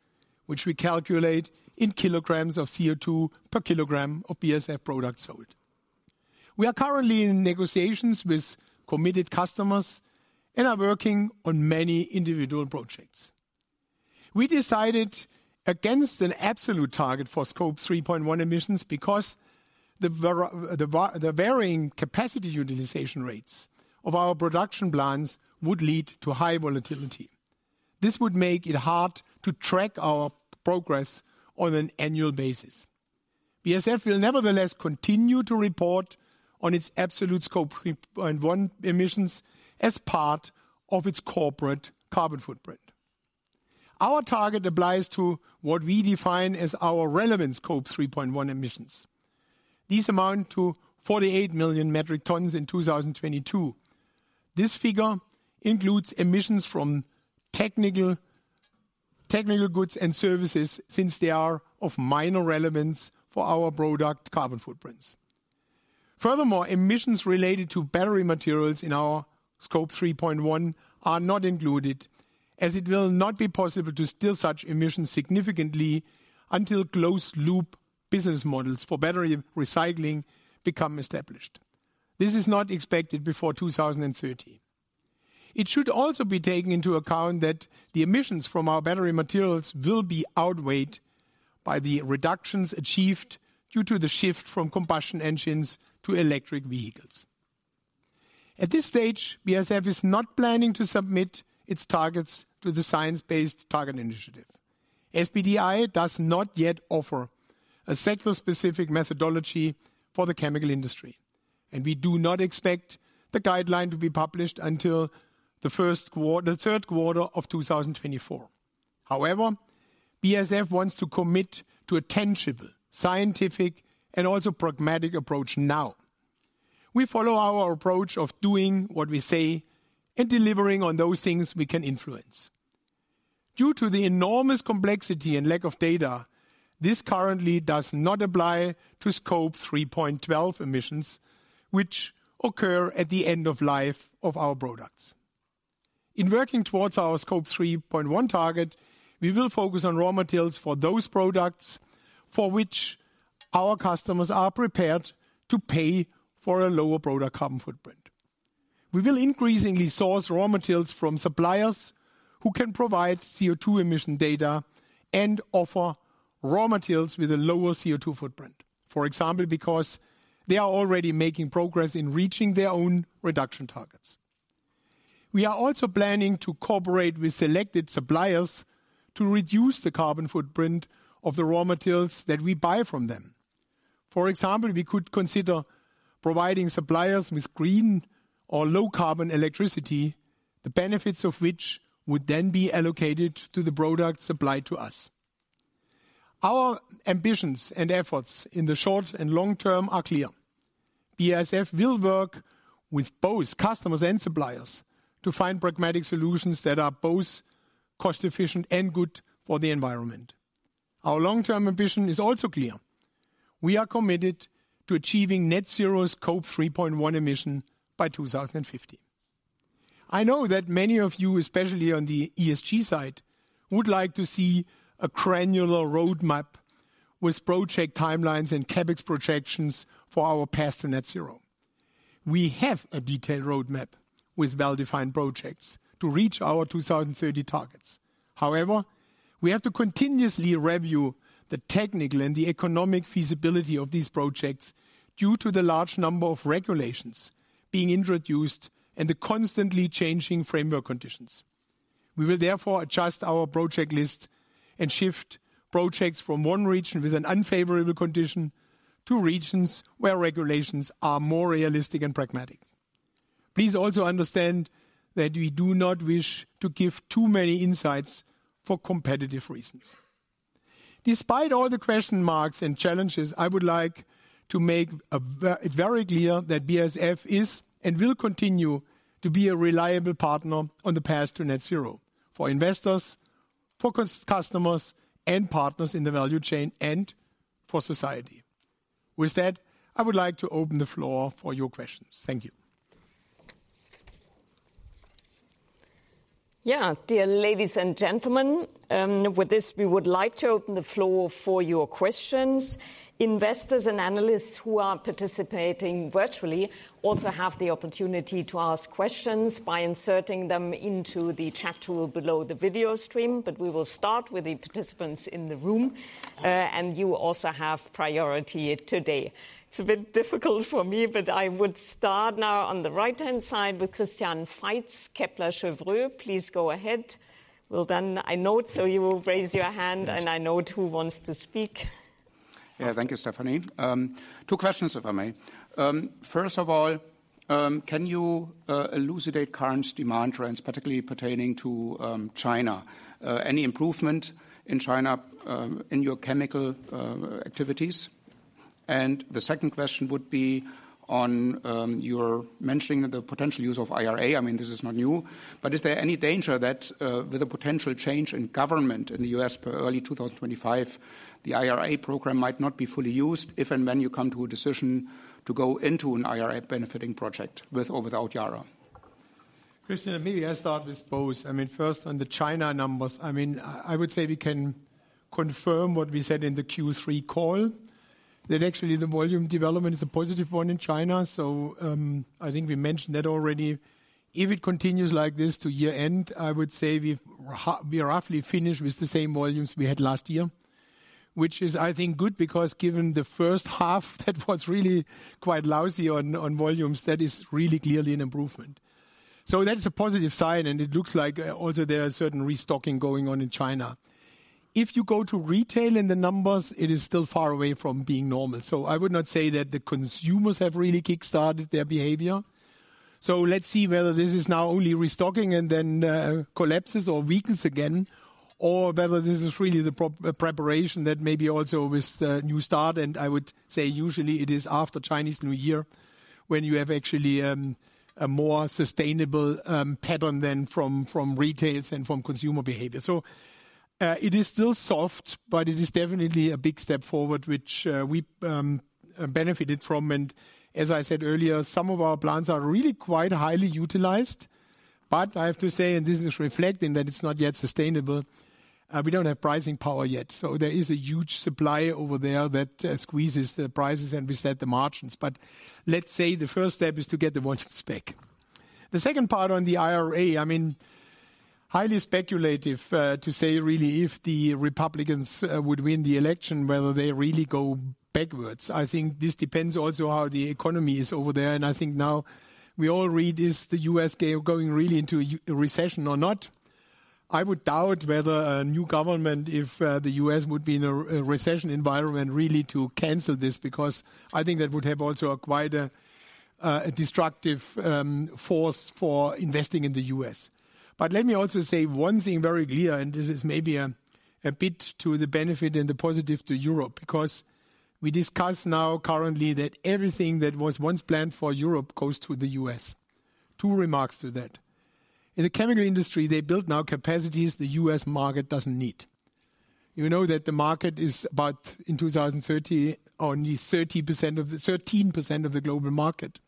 which we calculate in kilograms of CO₂ per kilogram of BASF product sold. We are currently in negotiations with committed customers and are working on many individual projects. We decided against an absolute target for Scope 3.1 emissions because the varying capacity utilization rates of our production plants would lead to high volatility. This would make it hard to track our progress on an annual basis. BASF will nevertheless continue to report on its absolute Scope 3.1 emissions as part of its corporate carbon footprint. Our target applies to what we define as our relevant Scope 3.1 emissions. These amount to 48 million metric tons in 2022. This figure includes emissions from technical goods and services, since they are of minor relevance for our product carbon footprints. Furthermore, emissions related to battery materials in our scope 3.1 are not included, as it will not be possible to still such emissions significantly until closed-loop business models for battery recycling become established. This is not expected before 2030. It should also be taken into account that the emissions from our battery materials will be outweighed by the reductions achieved due to the shift from combustion engines to electric vehicles. At this stage, BASF is not planning to submit its targets to the Science-Based Targets initiative. SBTi does not yet offer a sector-specific methodology for the chemical industry, and we do not expect the guideline to be published until the third quarter of 2024. However, BASF wants to commit to a tangible, scientific, and also pragmatic approach now. We follow our approach of doing what we say and delivering on those things we can influence. Due to the enormous complexity and lack of data, this currently does not apply to Scope 3.12 emissions, which occur at the end of life of our products. In working towards our Scope 3.1 target, we will focus on raw materials for those products for which our customers are prepared to pay for a lower product carbon footprint. We will increasingly source raw materials from suppliers who can provide CO₂ emission data and offer raw materials with a lower CO₂ footprint. For example, because they are already making progress in reaching their own reduction targets. We are also planning to cooperate with selected suppliers to reduce the carbon footprint of the raw materials that we buy from them. For example, we could consider providing suppliers with green or low-carbon electricity, the benefits of which would then be allocated to the products supplied to us. Our ambitions and efforts in the short and long term are clear. BASF will work with both customers and suppliers to find pragmatic solutions that are both cost efficient and good for the environment. Our long-term ambition is also clear. We are committed to achieving net zero Scope 3.1 emissions by 2050. I know that many of you, especially on the ESG side, would like to see a granular roadmap with project timelines and CapEx projections for our path to net zero. We have a detailed roadmap with well-defined projects to reach our 2030 targets. However, we have to continuously review the technical and the economic feasibility of these projects due to the large number of regulations being introduced and the constantly changing framework conditions. We will therefore adjust our project list and shift projects from one region with an unfavorable condition to regions where regulations are more realistic and pragmatic. Please also understand that we do not wish to give too many insights for competitive reasons. Despite all the question marks and challenges, I would like to make it very clear that BASF is, and will continue to be, a reliable partner on the path to net zero for investors, for customers, and partners in the value chain, and for society. With that, I would like to open the floor for your questions. Thank you. Yeah. Dear ladies and gentlemen, with this, we would like to open the floor for your questions. Investors and analysts who are participating virtually also have the opportunity to ask questions by inserting them into the chat tool below the video stream, but we will start with the participants in the room, and you also have priority today. It's a bit difficult for me, but I would start now on the right-hand side with Christian Faitz, Kepler Cheuvreux. Please go ahead. We'll then... I note, so you will raise your hand. Yes - and I note who wants to speak. Yeah, thank you, Stephanie. Two questions, if I may. First of all, can you elucidate current demand trends, particularly pertaining to China? Any improvement in China, in your chemical activities? And the second question would be on, you're mentioning the potential use of IRA. I mean, this is not new, but is there any danger that, with a potential change in government in the U.S. per early 2025, the IRA program might not be fully used, if and when you come to a decision to go into an IRA-benefiting project, with or without Yara? Christian, maybe I start with both. I mean, first, on the China numbers, I mean, I would say we can confirm what we said in the Q3 call, that actually the volume development is a positive one in China, so I think we mentioned that already. If it continues like this to year-end, I would say we've roughly finished with the same volumes we had last year, which is, I think, good, because given the first half, that was really quite lousy on volumes, that is really clearly an improvement. So that is a positive sign, and it looks like also there are certain restocking going on in China. If you go to retail in the numbers, it is still far away from being normal, so I would not say that the consumers have really kickstarted their behavior. So let's see whether this is now only restocking and then collapses or weakens again, or whether this is really the proper preparation that maybe also with a new start, and I would say usually it is after Chinese New Year, when you have actually a more sustainable pattern than from retailers and from consumer behavior. So it is still soft, but it is definitely a big step forward, which we benefited from. And as I said earlier, some of our plants are really quite highly utilized, but I have to say, and this is reflecting, that it's not yet sustainable. We don't have pricing power yet, so there is a huge supply over there that squeezes the prices, and we set the margins. But let's say the first step is to get the volumes back. The second part on the IRA, I mean, highly speculative, to say really, if the Republicans would win the election, whether they really go backwards. I think this depends also how the economy is over there, and I think now we all read, is the U.S. going really into a recession or not? I would doubt whether a new government, if the U.S. would be in a recession environment, really to cancel this, because I think that would have also quite a destructive force for investing in the U.S. But let me also say one thing very clear, and this is maybe a bit to the benefit and the positive to Europe, because we discuss now currently that everything that was once planned for Europe goes to the U.S. Two remarks to that: In the chemical industry, they build now capacities the U.S. market doesn't need. You know that the market is about, in 2030, only 30% of the 13% of the global market.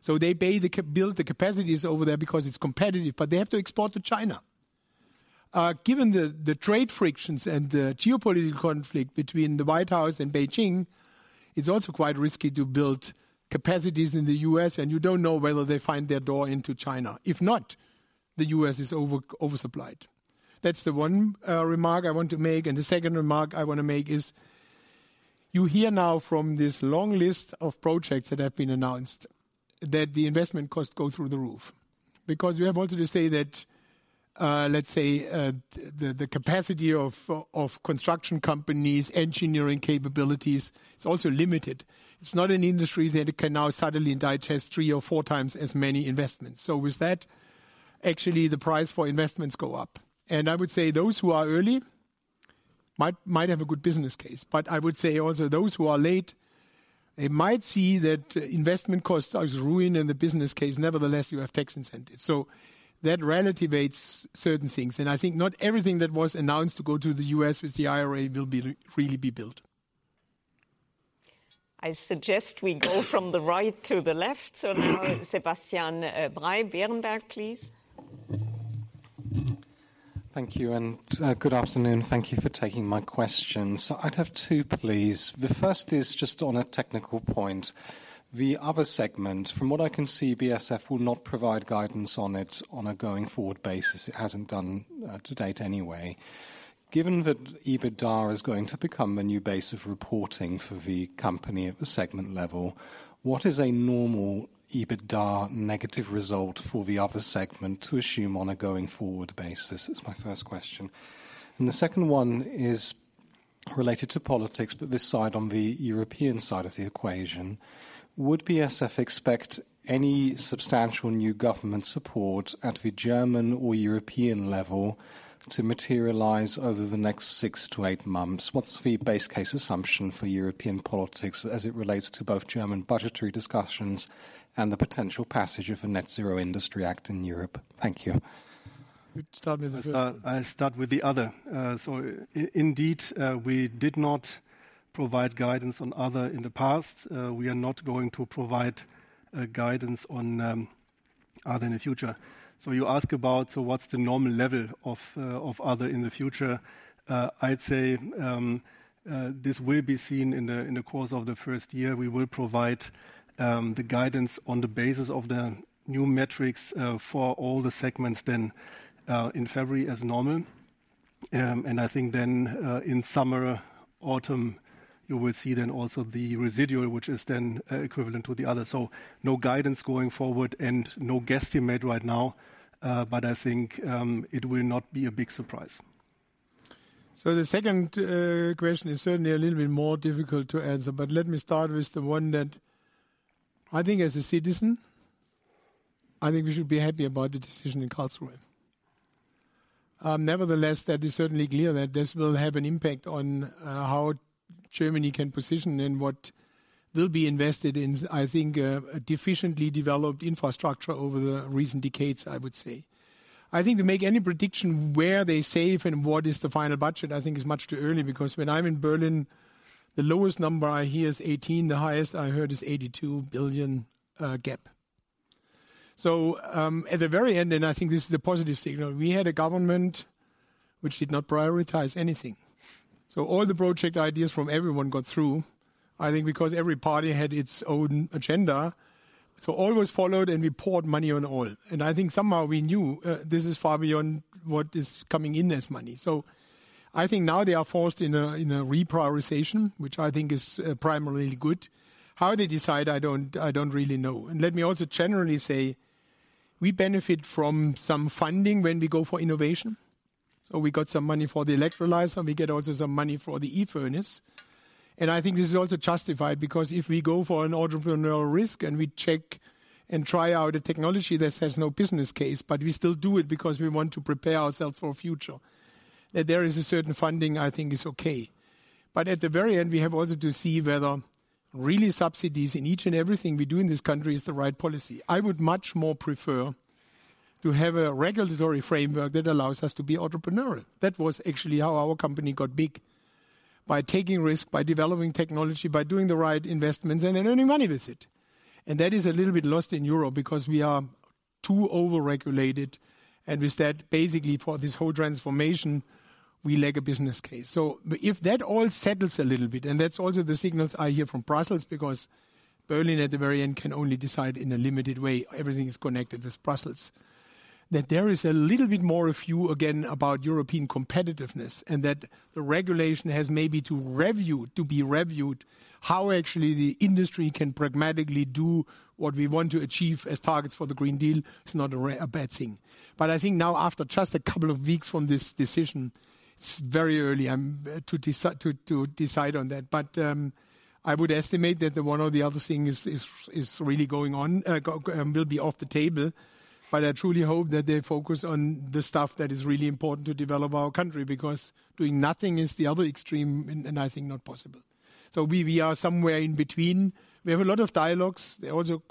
So they build the capacities over there because it's competitive, but they have to export to China. Given the, the trade frictions and the geopolitical conflict between the White House and Beijing, it's also quite risky to build capacities in the U.S., and you don't know whether they find their door into China. If not, the U.S. is over-supplied. That's the one remark I want to make, and the second remark I want to make is, you hear now from this long list of projects that have been announced, that the investment costs go through the roof. Because you have also to say that, let's say, the capacity of construction companies, engineering capabilities, it's also limited. It's not an industry that can now suddenly digest three or four times as many investments. So with that, actually the price for investments go up. And I would say those who are early might have a good business case, but I would say also those who are late, they might see that investment costs are ruined in the business case. Nevertheless, you have tax incentives, so that relativates certain things, and I think not everything that was announced to go to the U.S. with the IRA will be really be built. I suggest we go from the right to the left. So now, Sebastian Bray, Berenberg, please.... Thank you, and good afternoon. Thank you for taking my questions. I'd have two, please. The first is just on a technical point. The other segment, from what I can see, BASF will not provide guidance on it on a going-forward basis. It hasn't done to date anyway. Given that EBITDA is going to become the new base of reporting for the company at the segment level, what is a normal EBITDA negative result for the other segment to assume on a going-forward basis? It's my first question. And the second one is related to politics, but this side, on the European side of the equation: Would BASF expect any substantial new government support at the German or European level to materialize over the next six to eight months? What's the base case assumption for European politics as it relates to both German budgetary discussions and the potential passage of a Net Zero Industry Act in Europe? Thank you. You start with the first one. I start with the other. So indeed, we did not provide guidance on other in the past. We are not going to provide guidance on other in the future. So you ask about, so what's the normal level of other in the future? I'd say this will be seen in the course of the first year. We will provide the guidance on the basis of the new metrics for all the segments then in February as normal. And I think then in summer, autumn, you will see then also the residual, which is then equivalent to the other. So no guidance going forward and no guesstimate right now, but I think it will not be a big surprise. So the second question is certainly a little bit more difficult to answer, but let me start with the one that I think as a citizen, I think we should be happy about the decision in Karlsruhe. Nevertheless, that is certainly clear that this will have an impact on how Germany can position and what will be invested in, I think, a deficiently developed infrastructure over the recent decades, I would say. I think to make any prediction where they save and what is the final budget, I think is much too early, because when I'm in Berlin, the lowest number I hear is 18 billion, the highest I heard is 82 billion gap. So at the very end, and I think this is a positive signal, we had a government which did not prioritize anything. So all the project ideas from everyone got through, I think, because every party had its own agenda. So all was followed, and we poured money on oil. And I think somehow we knew, this is far beyond what is coming in as money. So I think now they are forced in a, in a reprioritization, which I think is, primarily good. How they decide, I don't, I don't really know. And let me also generally say, we benefit from some funding when we go for innovation. So we got some money for the electrolyzer, and we get also some money for the e-furnace. I think this is also justified, because if we go for an entrepreneurial risk and we check and try out a technology that has no business case, but we still do it because we want to prepare ourselves for future, that there is a certain funding, I think is okay. But at the very end, we have also to see whether really subsidies in each and everything we do in this country is the right policy. I would much more prefer to have a regulatory framework that allows us to be entrepreneurial. That was actually how our company got big: by taking risk, by developing technology, by doing the right investments and in earning money with it. And that is a little bit lost in Europe because we are too over-regulated, and with that, basically for this whole transformation, we lack a business case. So if that all settles a little bit, and that's also the signals I hear from Brussels, because Berlin, at the very end, can only decide in a limited way. Everything is connected with Brussels. That there is a little bit more a view, again, about European competitiveness and that the regulation has maybe to review, to be reviewed, how actually the industry can pragmatically do what we want to achieve as targets for the Green Deal is not a bad thing. But I think now, after just a couple of weeks from this decision, it's very early to decide on that. But I would estimate that the one or the other thing is really going on, will be off the table. But I truly hope that they focus on the stuff that is really important to develop our country, because doing nothing is the other extreme and I think not possible. So we are somewhere in between. We have a lot of dialogues. They also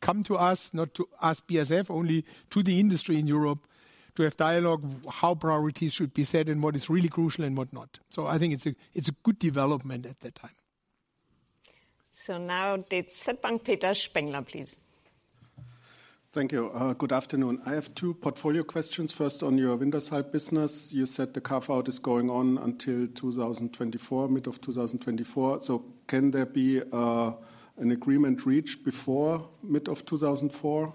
come to us, not to us, BASF, only to the industry in Europe, to have dialogue, how priorities should be set and what is really crucial and what not. So I think it's a good development at that time. So now, the DZ Bank, Peter Spengler, please. Thank you. Good afternoon. I have two portfolio questions. First, on your Wintershall business, you said the carve-out is going on until 2024, mid of 2024. So can there be an agreement reached before mid of 2024?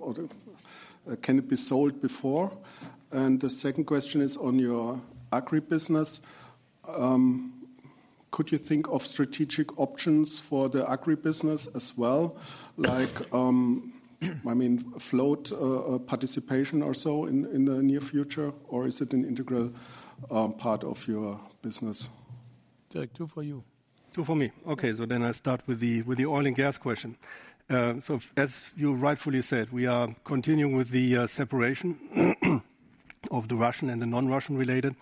Or can it be sold before? And the second question is on your agri business. Could you think of strategic options for the agri business as well? Like, I mean, float a participation or so in the near future, or is it an integral part of your business? Dirk, two for you. Two for me. Okay, so then I start with the oil and gas question. So as you rightfully said, we are continuing with the separation of the Russian and the non-Russian related.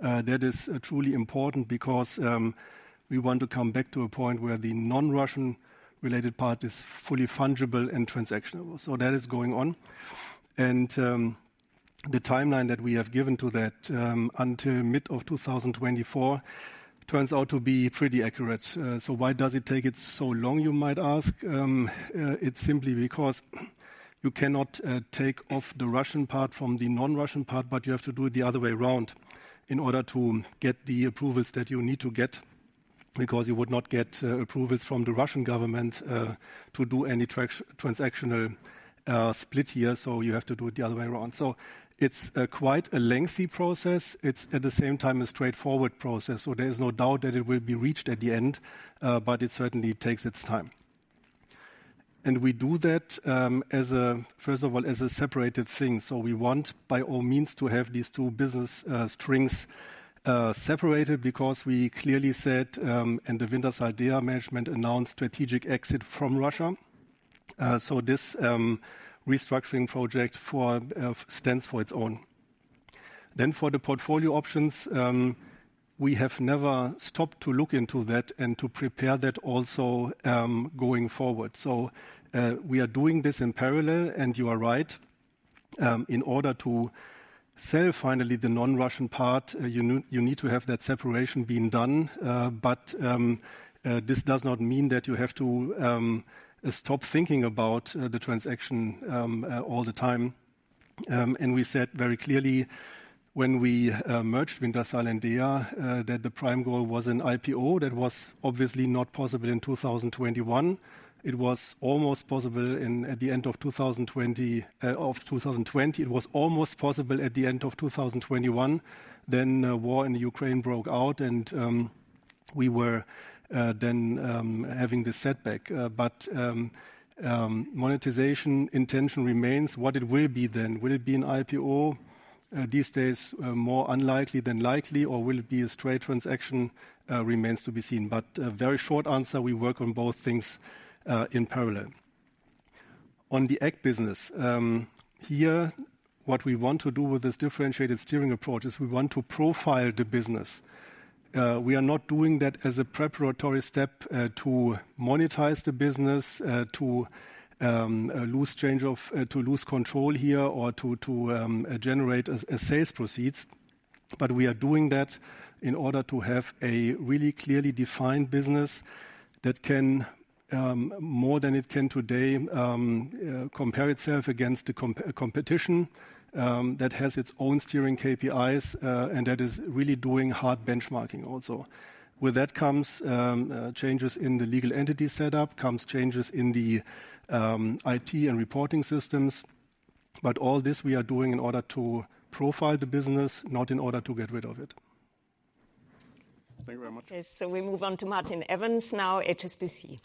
That is truly important because we want to come back to a point where the non-Russian related part is fully fungible and transactionable. So that is going on. And the timeline that we have given to that until mid-2024 turns out to be pretty accurate. So why does it take it so long, you might ask? It's simply because-... You cannot take off the Russian part from the non-Russian part, but you have to do it the other way around in order to get the approvals that you need to get, because you would not get approvals from the Russian government to do any transactional split here. So you have to do it the other way around. So it's quite a lengthy process. It's, at the same time, a straightforward process, so there is no doubt that it will be reached at the end, but it certainly takes its time. And we do that, first of all, as a separated thing. So we want, by all means, to have these two business strings separated, because we clearly said and the Wintershall Dea management announced strategic exit from Russia. So this restructuring project for stands for its own. Then for the portfolio options, we have never stopped to look into that and to prepare that also, going forward. So, we are doing this in parallel, and you are right. In order to sell finally the non-Russian part, you need to have that separation being done. But this does not mean that you have to stop thinking about the transaction all the time. And we said very clearly when we merged Wintershall and DEA that the prime goal was an IPO. That was obviously not possible in 2021. It was almost possible at the end of 2020. It was almost possible at the end of 2021. Then, war in Ukraine broke out, and we were then having the setback. But, monetization intention remains. What it will be then? Will it be an IPO? These days, more unlikely than likely, or will it be a straight transaction, remains to be seen. But a very short answer, we work on both things in parallel. On the ag business, here, what we want to do with this differentiated steering approach is we want to profile the business. We are not doing that as a preparatory step to monetize the business, to lose control here or to generate a sales proceeds. But we are doing that in order to have a really clearly defined business that can, more than it can today, compare itself against the competition that has its own steering KPIs and that is really doing hard benchmarking also. With that comes changes in the legal entity setup and changes in the IT and reporting systems. But all this we are doing in order to profile the business, not in order to get rid of it. Thank you very much. Okay, so we move on to Martin Evans now, HSBC.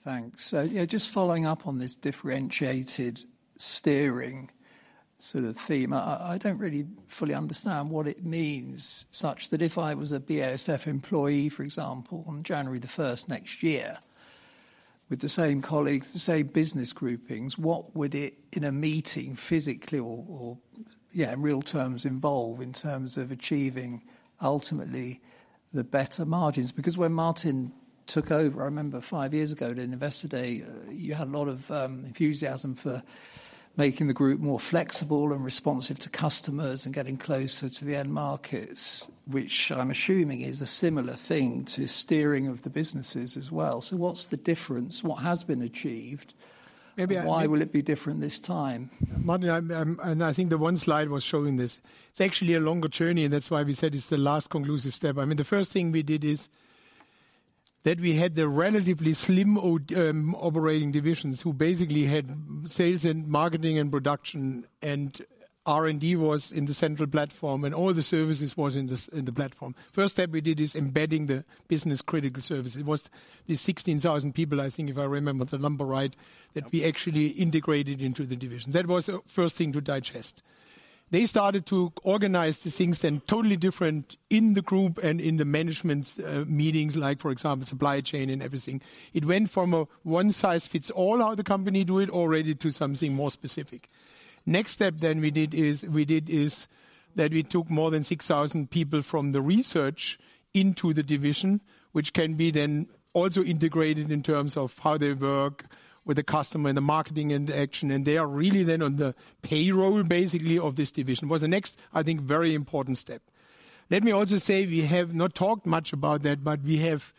Thanks. So, yeah, just following up on this differentiated steering sort of theme, I don't really fully understand what it means, such that if I was a BASF employee, for example, on January the first next year, with the same colleagues, the same business groupings, what would it in a meeting physically or yeah in real terms involve in terms of achieving ultimately the better margins? Because when Martin took over, I remember five years ago at Investor Day, you had a lot of enthusiasm for making the group more flexible and responsive to customers and getting closer to the end markets, which I'm assuming is a similar thing to steering of the businesses as well. So what's the difference? What has been achieved- Maybe I- Why will it be different this time? Martin, I'm. And I think the one slide was showing this. It's actually a longer journey, and that's why we said it's the last conclusive step. I mean, the first thing we did is that we had the relatively slim operating divisions, who basically had sales and marketing and production, and R&D was in the central platform, and all the services was in the platform. First step we did is embedding the business-critical services. It was these 16,000 people, I think, if I remember the number right, that we actually integrated into the division. That was the first thing to digest. They started to organize the things then totally different in the group and in the management meetings, like for example, supply chain and everything. It went from a one-size-fits-all how the company do it already to something more specific. Next step then we did is that we took more than 6,000 people from the research into the division, which can be then also integrated in terms of how they work with the customer and the marketing into action, and they are really then on the payroll, basically, of this division. Was the next, I think, very important step. Let me also say we have not talked much about that, but we have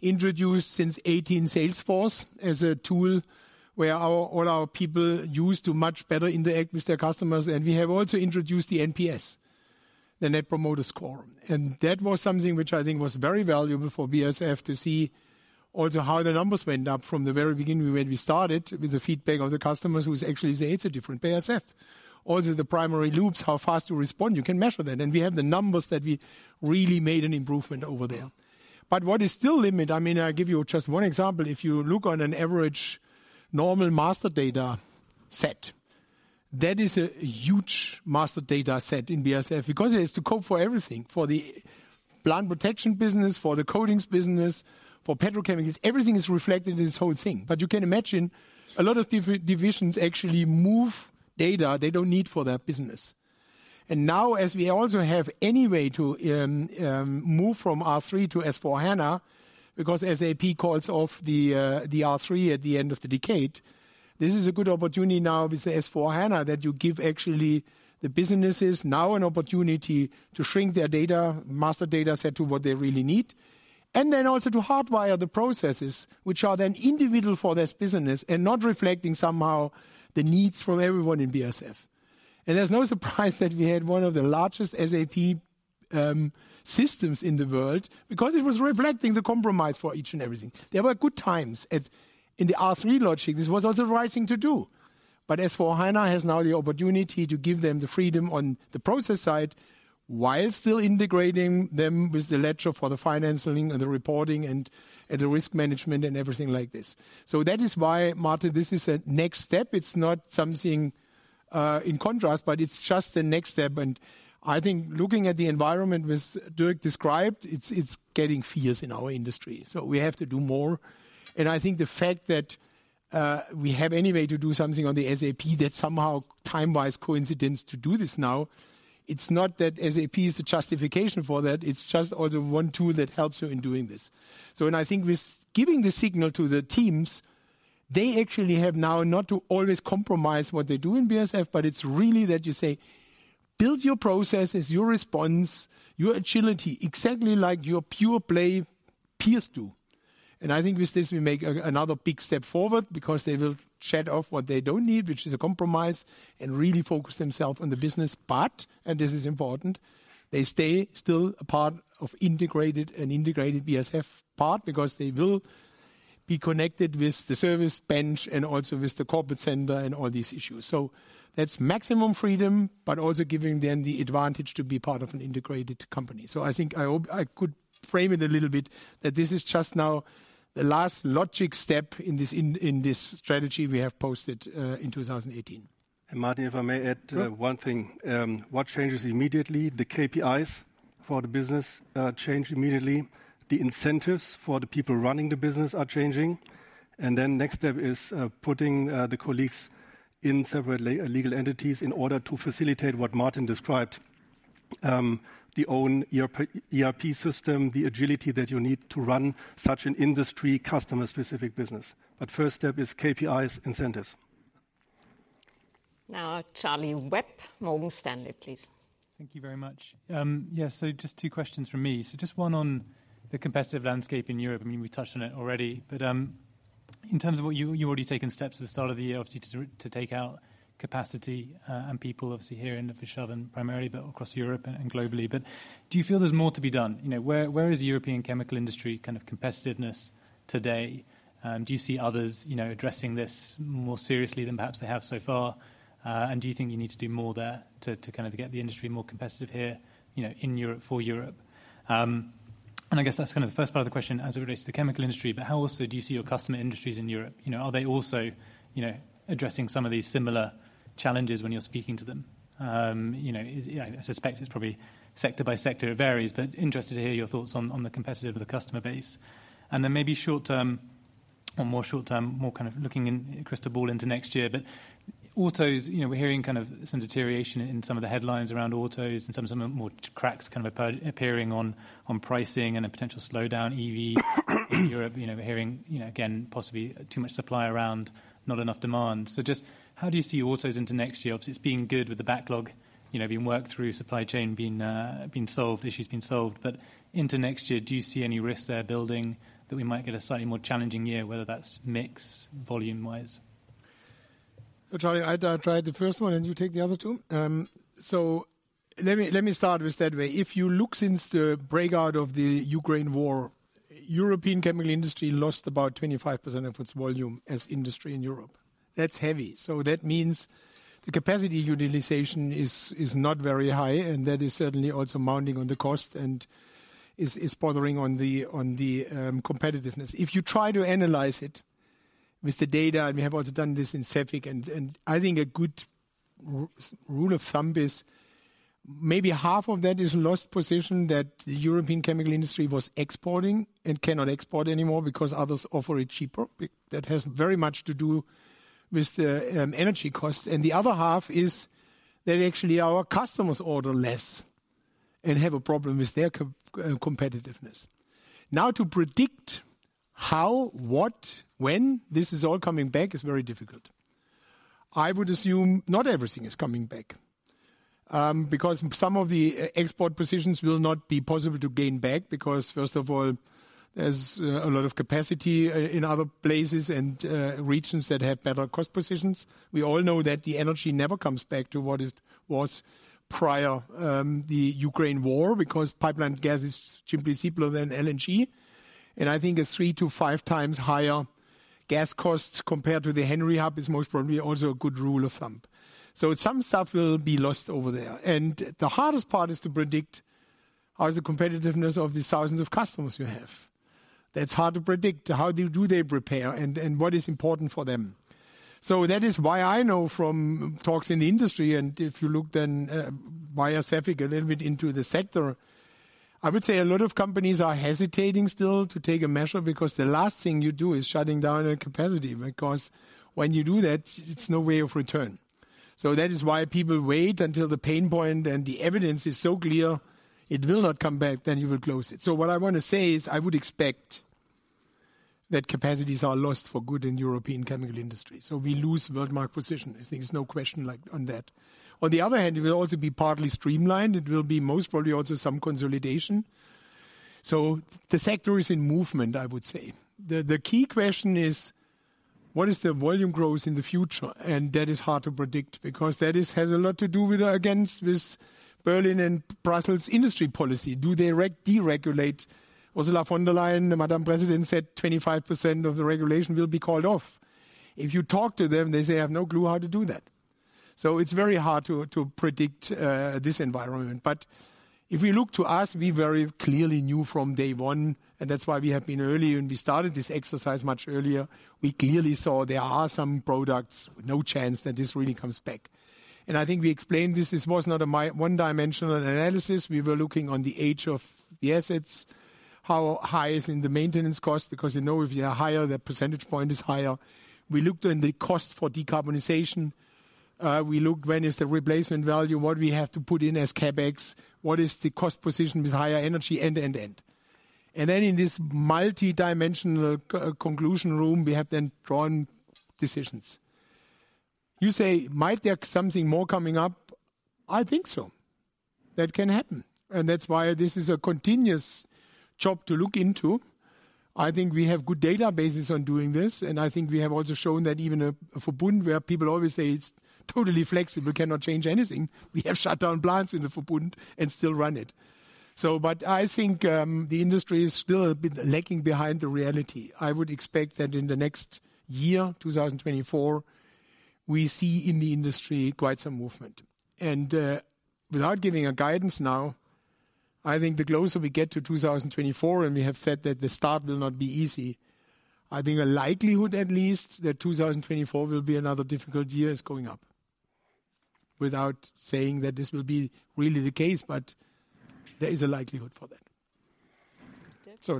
introduced since 2018, Salesforce as a tool where our, all our people use to much better interact with their customers, and we have also introduced the NPS, the Net Promoter Score. That was something which I think was very valuable for BASF to see also how the numbers went up from the very beginning when we started with the feedback of the customers, who is actually say it's a different BASF. Also, the primary loops, how fast you respond, you can measure that, and we have the numbers that we really made an improvement over there. But what is still limit, I mean, I'll give you just one example: if you look on an average normal master data set, that is a huge master data set in BASF, because it has to cope for everything, for the plant protection business, for the coatings business, for petrochemicals. Everything is reflected in this whole thing. But you can imagine a lot of divisions actually move data they don't need for their business. And now, as we also have any way to move from R/3 to S/4HANA, because SAP calls off the R/3 at the end of the decade, this is a good opportunity now with the S/4HANA, that you give actually the businesses now an opportunity to shrink their data, master data set to what they really need, and then also to hardwire the processes, which are then individual for this business and not reflecting somehow the needs from everyone in BASF.... And there's no surprise that we had one of the largest SAP systems in the world, because it was reflecting the compromise for each and everything. There were good times in the R/3 logic, this was also the right thing to do. But S/4HANA has now the opportunity to give them the freedom on the process side, while still integrating them with the ledger for the financing and the reporting and the risk management, and everything like this. So that is why, Martin, this is a next step. It's not something in contrast, but it's just the next step, and I think looking at the environment which Dirk described, it's getting fierce in our industry, so we have to do more. I think the fact that we have any way to do something on the SAP that somehow time-wise coincides to do this now, it's not that SAP is the justification for that, it's just also one tool that helps you in doing this. So, I think with giving the signal to the teams, they actually have now not to always compromise what they do in BASF, but it's really that you say: Build your processes, your response, your agility, exactly like your pure-play peers do. And I think with this, we make another big step forward because they will shed off what they don't need, which is a compromise, and really focus themselves on the business. But, and this is important, they still stay a part of an integrated BASF part, because they will be connected with the service bench and also with the corporate center and all these issues. So that's maximum freedom, but also giving them the advantage to be part of an integrated company. So I think, I hope I could frame it a little bit, that this is just now the last logic step in this strategy we have posted in 2018. And Martin, if I may add- Sure. One thing. What changes immediately, the KPIs for the business change immediately. The incentives for the people running the business are changing. And then next step is putting the colleagues in separate legal entities in order to facilitate what Martin described, the own ERP system, the agility that you need to run such an industry customer-specific business. But first step is KPIs, incentives. Now, Charlie Webb, Morgan Stanley, please. Thank you very much. Yeah, so just two questions from me. So just one on the competitive landscape in Europe. I mean, we touched on it already, but in terms of what you, you've already taken steps at the start of the year, obviously, to take out capacity, and people, obviously, here in Ludwigshafen primarily, but across Europe and globally. But do you feel there's more to be done? You know, where, where is the European chemical industry kind of competitiveness today? Do you see others, you know, addressing this more seriously than perhaps they have so far? And do you think you need to do more there to kind of get the industry more competitive here, you know, in Europe, for Europe? And I guess that's kind of the first part of the question as it relates to the chemical industry, but how also do you see your customer industries in Europe? You know, are they also, you know, addressing some of these similar challenges when you're speaking to them? You know, I suspect it's probably sector by sector, it varies, but interested to hear your thoughts on, on the competitive of the customer base. Then maybe short term, or more short term, more kind of looking in crystal ball into next year. Autos, you know, we're hearing kind of some deterioration in some of the headlines around autos and some more cracks kind of appearing on pricing and a potential slowdown, EV, in Europe. You know, we're hearing, you know, again, possibly too much supply around, not enough demand. So just how do you see autos into next year? Obviously, it's been good with the backlog, you know, being worked through, supply chain being being solved, issues being solved. But into next year, do you see any risks there building that we might get a slightly more challenging year, whether that's mix, volume-wise? So Charlie, I try the first one, and you take the other two? So let me start with that way. If you look since the outbreak of the Ukraine war, European chemical industry lost about 25% of its volume as industry in Europe. That's heavy. So that means the capacity utilization is not very high, and that is certainly also mounting on the cost and is bothering on the competitiveness. If you try to analyze it with the data, and we have also done this in CEFIC, and I think a good rule of thumb is maybe half of that is lost position that the European chemical industry was exporting and cannot export anymore because others offer it cheaper. That has very much to do with the energy costs. And the other half is that actually our customers order less and have a problem with their competitiveness. Now, to predict how, what, when this is all coming back is very difficult. I would assume not everything is coming back, because some of the export positions will not be possible to gain back because, first of all, there's a lot of capacity in other places and regions that have better cost positions. We all know that the energy never comes back to what was prior the Ukraine war, because pipeline gas is simply cheaper than LNG. And I think a three to five times higher gas costs compared to the Henry Hub is most probably also a good rule of thumb. So some stuff will be lost over there. The hardest part is to predict are the competitiveness of the thousands of customers you have. That's hard to predict. How do they prepare, and what is important for them? So that is why I know from talks in the industry, and if you look then via CEFIC, a little bit into the sector, I would say a lot of companies are hesitating still to take a measure, because the last thing you do is shutting down a capacity, because when you do that, it's no way of return. So that is why people wait until the pain point and the evidence is so clear it will not come back, then you will close it. So what I want to say is, I would expect that capacities are lost for good in European chemical industry. So we lose world market position. I think there's no question like on that. On the other hand, it will also be partly streamlined. It will be most probably also some consolidation. So the sector is in movement, I would say. The key question is: what is the volume growth in the future? And that is hard to predict because that has a lot to do with, again, with Berlin and Brussels industry policy. Do they deregulate? Ursula von der Leyen, the Madam President, said 25% of the regulation will be called off. If you talk to them, they say, "I have no clue how to do that." So it's very hard to predict this environment. But if we look to us, we very clearly knew from day one, and that's why we have been early, and we started this exercise much earlier. We clearly saw there are some products, no chance that this really comes back. And I think we explained this, this was not a one-dimensional analysis. We were looking on the age of the assets, how high is in the maintenance cost, because you know, if you are higher, the percentage point is higher. We looked in the cost for decarbonization. We looked when is the replacement value, what we have to put in as CapEx, what is the cost position with higher energy, and, and, and. And then in this multidimensional conclusion room, we have then drawn decisions. You say, might there something more coming up? I think so. That can happen, and that's why this is a continuous job to look into. I think we have good databases on doing this, and I think we have also shown that even a Verbund, where people always say it's totally flexible, cannot change anything. We have shut down plants in the Verbund and still run it. So but I think the industry is still a bit lacking behind the reality. I would expect that in the next year, 2024, we see in the industry quite some movement. And without giving a guidance now, I think the closer we get to 2024, and we have said that the start will not be easy, I think the likelihood at least, that 2024 will be another difficult year, is going up. Without saying that this will be really the case, but there is a likelihood for that.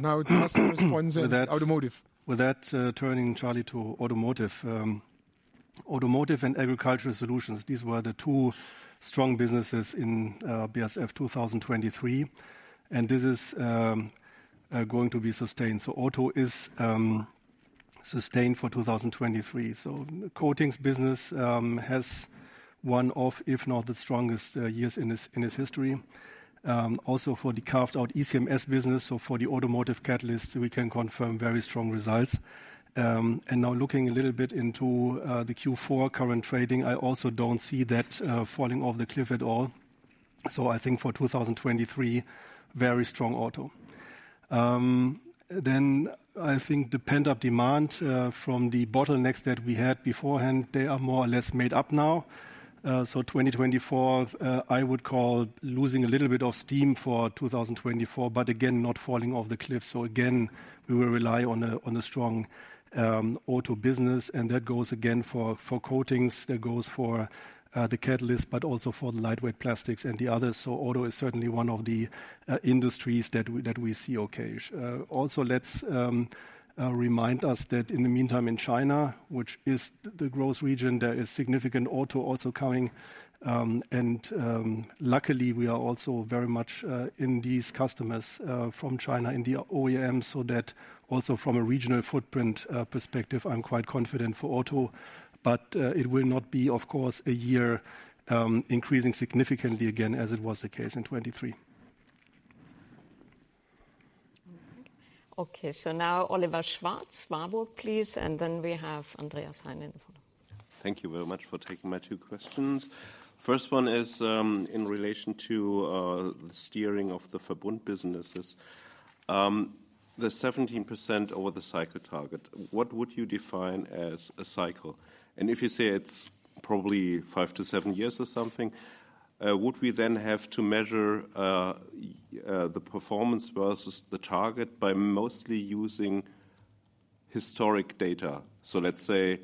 Now it must respond to automotive. With that, turning Charlie to automotive. Automotive and agricultural solutions, these were the two strong businesses in BASF 2023, and this is going to be sustained. So auto is sustained for 2023. So Coatings business has one of, if not the strongest, years in its, in its history. Also for the carved-out ECMS business, so for the automotive catalysts, we can confirm very strong results. And now looking a little bit into the Q4 current trading, I also don't see that falling off the cliff at all. So I think for 2023, very strong auto. Then I think the pent-up demand from the bottlenecks that we had beforehand, they are more or less made up now. So 2024, I would call losing a little bit of steam for 2024, but again, not falling off the cliff. So again, we will rely on a, on a strong, auto business, and that goes again for, for Coatings, that goes for, the Catalyst, but also for the lightweight plastics and the others. So auto is certainly one of the, industries that we, that we see okay. Also, let's, remind us that in the meantime, in China, which is the growth region, there is significant auto also coming. And, luckily, we are also very much, in these customers, from China, in the OEM, so that also from a regional footprint, perspective, I'm quite confident for auto, but, it will not be, of course, a year, increasing significantly again, as it was the case in 2023. Okay, so now Oliver Schwarz, Barclays, please, and then we have Andreas Heine in follow. Thank you very much for taking my two questions. First one is, in relation to, the steering of the Verbund businesses. The 17% over the cycle target, what would you define as a cycle? And if you say it's probably 5-7 years or something, would we then have to measure the performance versus the target by mostly using historic data? So let's say,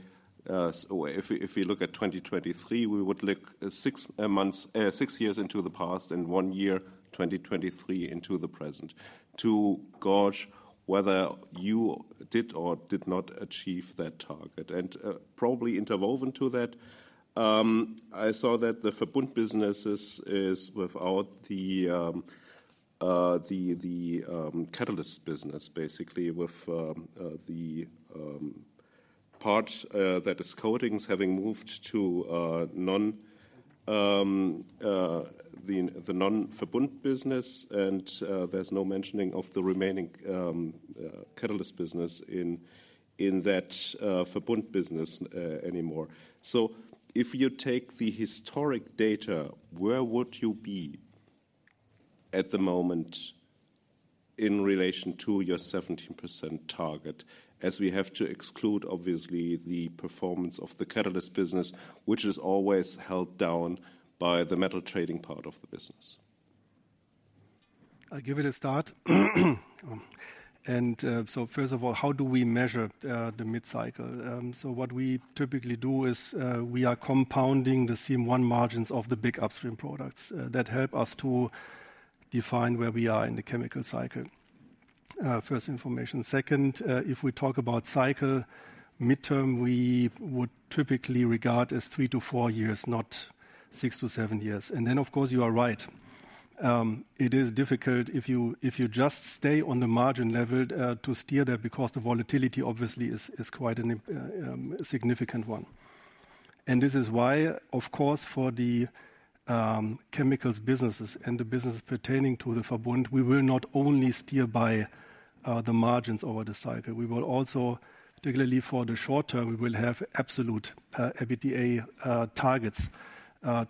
if we look at 2023, we would look 6 months 6 years into the past and 1 year, 2023, into the present, to gauge whether you did or did not achieve that target. And, probably interwoven to that, I saw that the Verbund businesses is without the part that is Coatings having moved to the non-Verbund business, and there's no mentioning of the remaining Catalyst business in that Verbund business anymore. So if you take the historic data, where would you be at the moment in relation to your 17% target? As we have to exclude, obviously, the performance of the Catalyst business, which is always held down by the metal trading part of the business. I'll give it a start. So first of all, how do we measure the mid-cycle? So what we typically do is, we are compounding the same one margins of the big upstream products that help us to define where we are in the chemical cycle. First information. Second, if we talk about cycle, midterm, we would typically regard as three to four years, not six to seven years. And then, of course, you are right. It is difficult if you just stay on the margin level to steer that because the volatility obviously is quite a significant one. This is why, of course, for the chemicals businesses and the business pertaining to the Verbund, we will not only steer by the margins over the cycle, we will also, particularly for the short term, we will have absolute EBITDA targets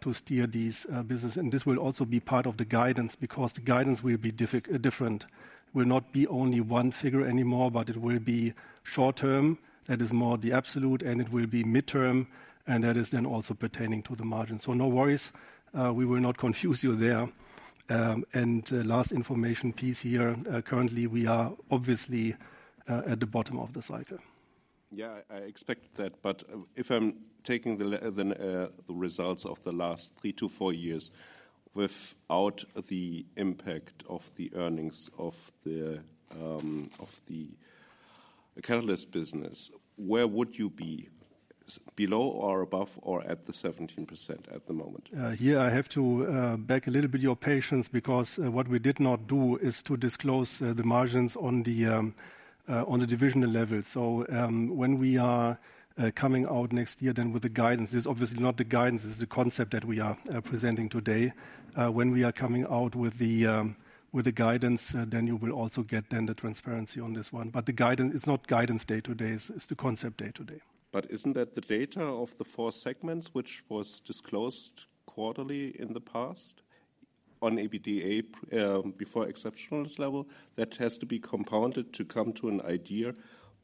to steer these business. And this will also be part of the guidance, because the guidance will be different. It will not be only one figure anymore, but it will be short term, that is more the absolute, and it will be midterm, and that is then also pertaining to the margin. So no worries, we will not confuse you there. Last information piece here, currently, we are obviously at the bottom of the cycle. Yeah, I expect that. But if I'm taking the results of the last 3-4 years, without the impact of the earnings of the catalyst business, where would you be? Below or above or at the 17% at the moment? Here I have to beg a little bit your patience, because what we did not do is to disclose the margins on the divisional level. So, when we are coming out next year, then with the guidance - this is obviously not the guidance, this is the concept that we are presenting today. When we are coming out with the guidance, then you will also get then the transparency on this one. But the guidance - It's not guidance day today, it's the concept day today. Isn't that the data of the four segments, which was disclosed quarterly in the past on EBITDA before exceptional level? That has to be compounded to come to an idea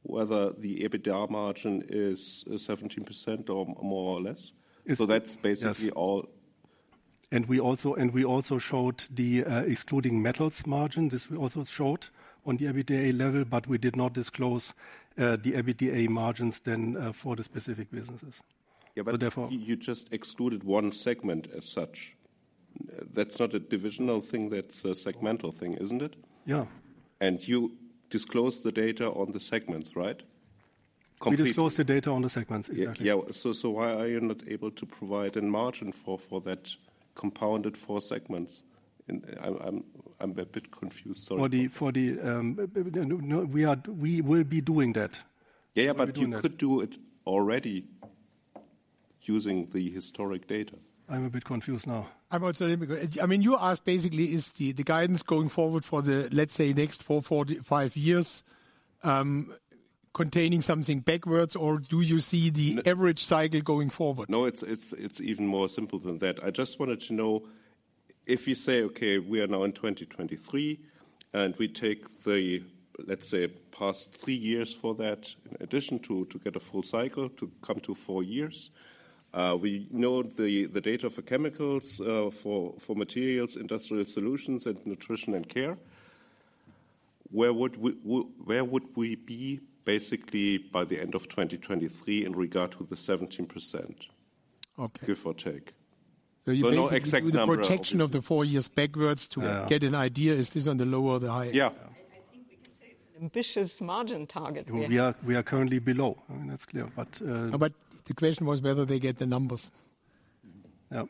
whether the EBITDA margin is 17% or more or less. It's- That's basically all. Yes. And we also showed the excluding metals margin. This we also showed on the EBITDA level, but we did not disclose the EBITDA margins then for the specific businesses. Yeah, but- So therefore-... you just excluded one segment as such. That's not a divisional thing, that's a segmental thing, isn't it? Yeah. You disclosed the data on the segments, right? Completely- We disclosed the data on the segments, exactly. Yeah. Yeah, so why are you not able to provide a margin for that compounded four segments? And I'm a bit confused, sorry. No, we are—we will be doing that. Yeah, yeah, but- We'll be doing that.... you could do it already using the historic data. I'm a bit confused now. I'm also a little bit. I mean, you asked basically, is the guidance going forward for the, let's say, next 4-45 years containing something backwards, or do you see the- N-... average cycle going forward? No, it's, it's, it's even more simple than that. I just wanted to know, if you say, "Okay, we are now in 2023, and we take the, let's say, past 3 years for that, in addition to, to get a full cycle to come to 4 years." We know the data for chemicals, for materials, industrial solutions, and nutrition and care. Where would we be, basically, by the end of 2023 in regard to the 17%? Okay. Give or take. So you basically- No exact number, obviously.... do the projection of the four years backwards to- Yeah... get an idea, is this on the lower or the higher? Yeah. I think we can say it's an ambitious margin target. We are, we are currently below, I mean, that's clear, but, The question was whether they get the numbers. Yeah.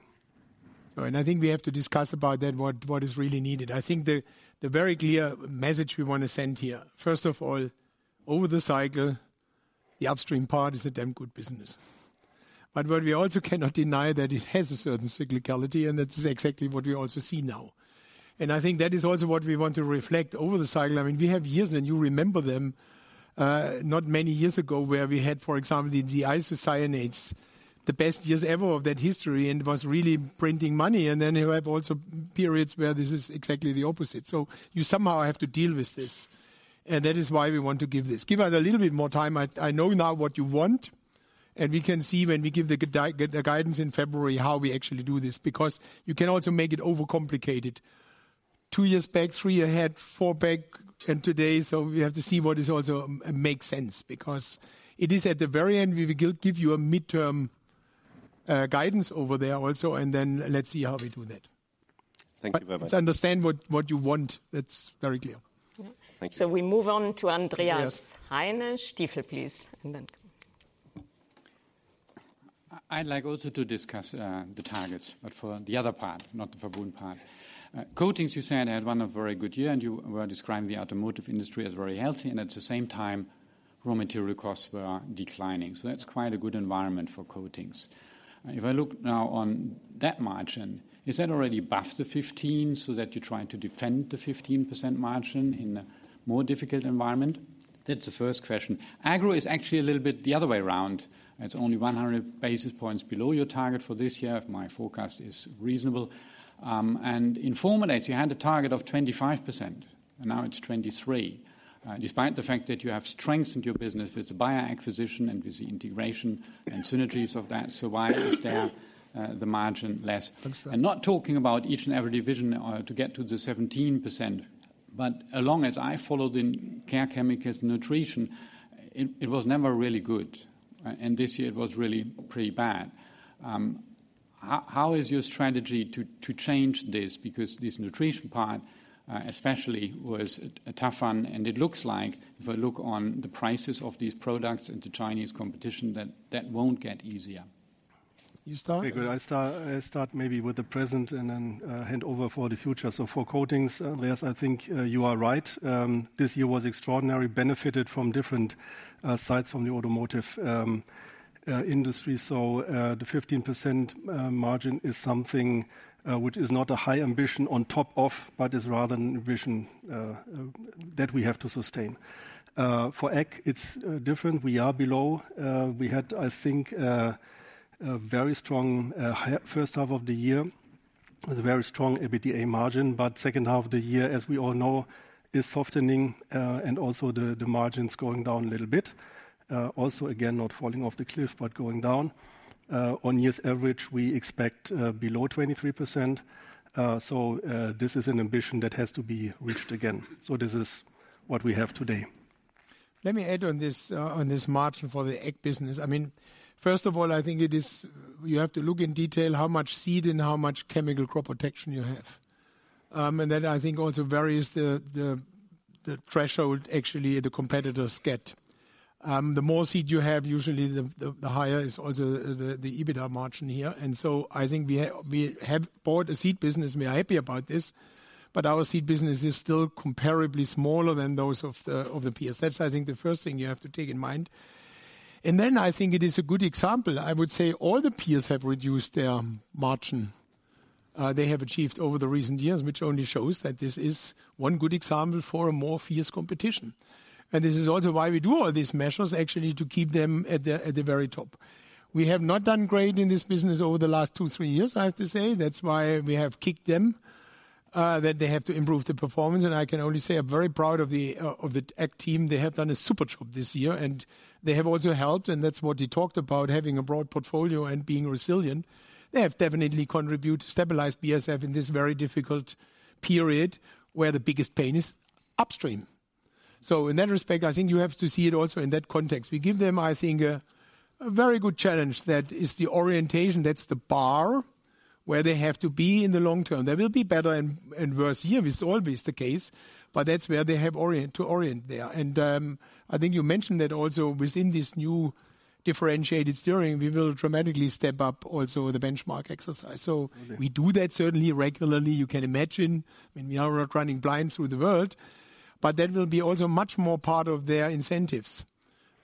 And I think we have to discuss about that, what is really needed. I think the very clear message we want to send here, first of all, over the cycle, the upstream part is a damn good business. But what we also cannot deny that it has a certain cyclicality, and that is exactly what we also see now. And I think that is also what we want to reflect over the cycle. I mean, we have years, and you remember them, not many years ago, where we had, for example, the diisocyanates, the best years ever of that history, and it was really printing money. And then you have also periods where this is exactly the opposite. So you somehow have to deal with this, and that is why we want to give this. Give us a little bit more time. I, I know now what you want, and we can see when we give the guidance in February, how we actually do this, because you can also make it overcomplicated. Two years back, three ahead, four back, and today, so we have to see what is also makes sense, because it is at the very end, we will give you a midterm guidance over there also, and then let's see how we do that. Thank you very much. But I understand what you want. That's very clear. Yeah. Thank you. We move on to Andreas Heine, Stifel, please, and then... I'd like also to discuss the targets, but for the other part, not the Verbund part. Coatings, you said, had one of very good year, and you were describing the automotive industry as very healthy, and at the same time, raw material costs were declining. So that's quite a good environment for Coatings. If I look now on that margin, is that already above the 15, so that you're trying to defend the 15% margin in a more difficult environment? That's the first question. Agro is actually a little bit the other way around. It's only 100 basis points below your target for this year, if my forecast is reasonable. In formulations, you had a target of 25%, and now it's 23%, despite the fact that you have strengthened your business with the Bayer acquisition and with the integration and synergies of that. Why is there the margin less? That's right. I'm not talking about each and every division to get to the 17%, but as long as I followed in Care Chemical Nutrition, it was never really good, and this year it was really pretty bad. How is your strategy to change this? Because this nutrition part, especially was a tough one, and it looks like, if I look on the prices of these products and the Chinese competition, that won't get easier. ... You start? Okay, good. I start maybe with the present and then hand over for the future. So for Coatings, yes, I think you are right. This year was extraordinary, benefited from different sides from the automotive industry. So the 15% margin is something which is not a high ambition on top of, but is rather an ambition that we have to sustain. For Ag, it's different. We are below. We had, I think, a very strong first half of the year, with a very strong EBITDA margin, but second half of the year, as we all know, is softening and also the margins going down a little bit. Also again, not falling off the cliff, but going down. On years average, we expect below 23%. So, this is an ambition that has to be reached again. So this is what we have today. Let me add on this, on this margin for the Ag business. I mean, first of all, I think it is—you have to look in detail how much seed and how much chemical crop protection you have. And then I think also varies the threshold, actually, the competitors get. The more seed you have, usually the higher is also the EBITDA margin here. And so I think we have bought a seed business, we are happy about this, but our seed business is still comparably smaller than those of the peers. That's, I think, the first thing you have to take in mind. And then I think it is a good example. I would say all the peers have reduced their margin, they have achieved over the recent years, which only shows that this is one good example for a more fierce competition. And this is also why we do all these measures, actually, to keep them at the, at the very top. We have not done great in this business over the last two, three years, I have to say. That's why we have kicked them, that they have to improve the performance. And I can only say I'm very proud of the, of the Ag team. They have done a super job this year, and they have also helped, and that's what we talked about, having a broad portfolio and being resilient. They have definitely contributed to stabilize BASF in this very difficult period, where the biggest pain is upstream. So in that respect, I think you have to see it also in that context. We give them, I think, a very good challenge. That is the orientation, that's the bar, where they have to be in the long term. There will be better and worse years, it's always the case, but that's where they have orient, to orient there. And, I think you mentioned that also within this new differentiated steering, we will dramatically step up also the benchmark exercise. Absolutely. So we do that certainly regularly. You can imagine, I mean, we are not running blind through the world, but that will be also much more part of their incentives,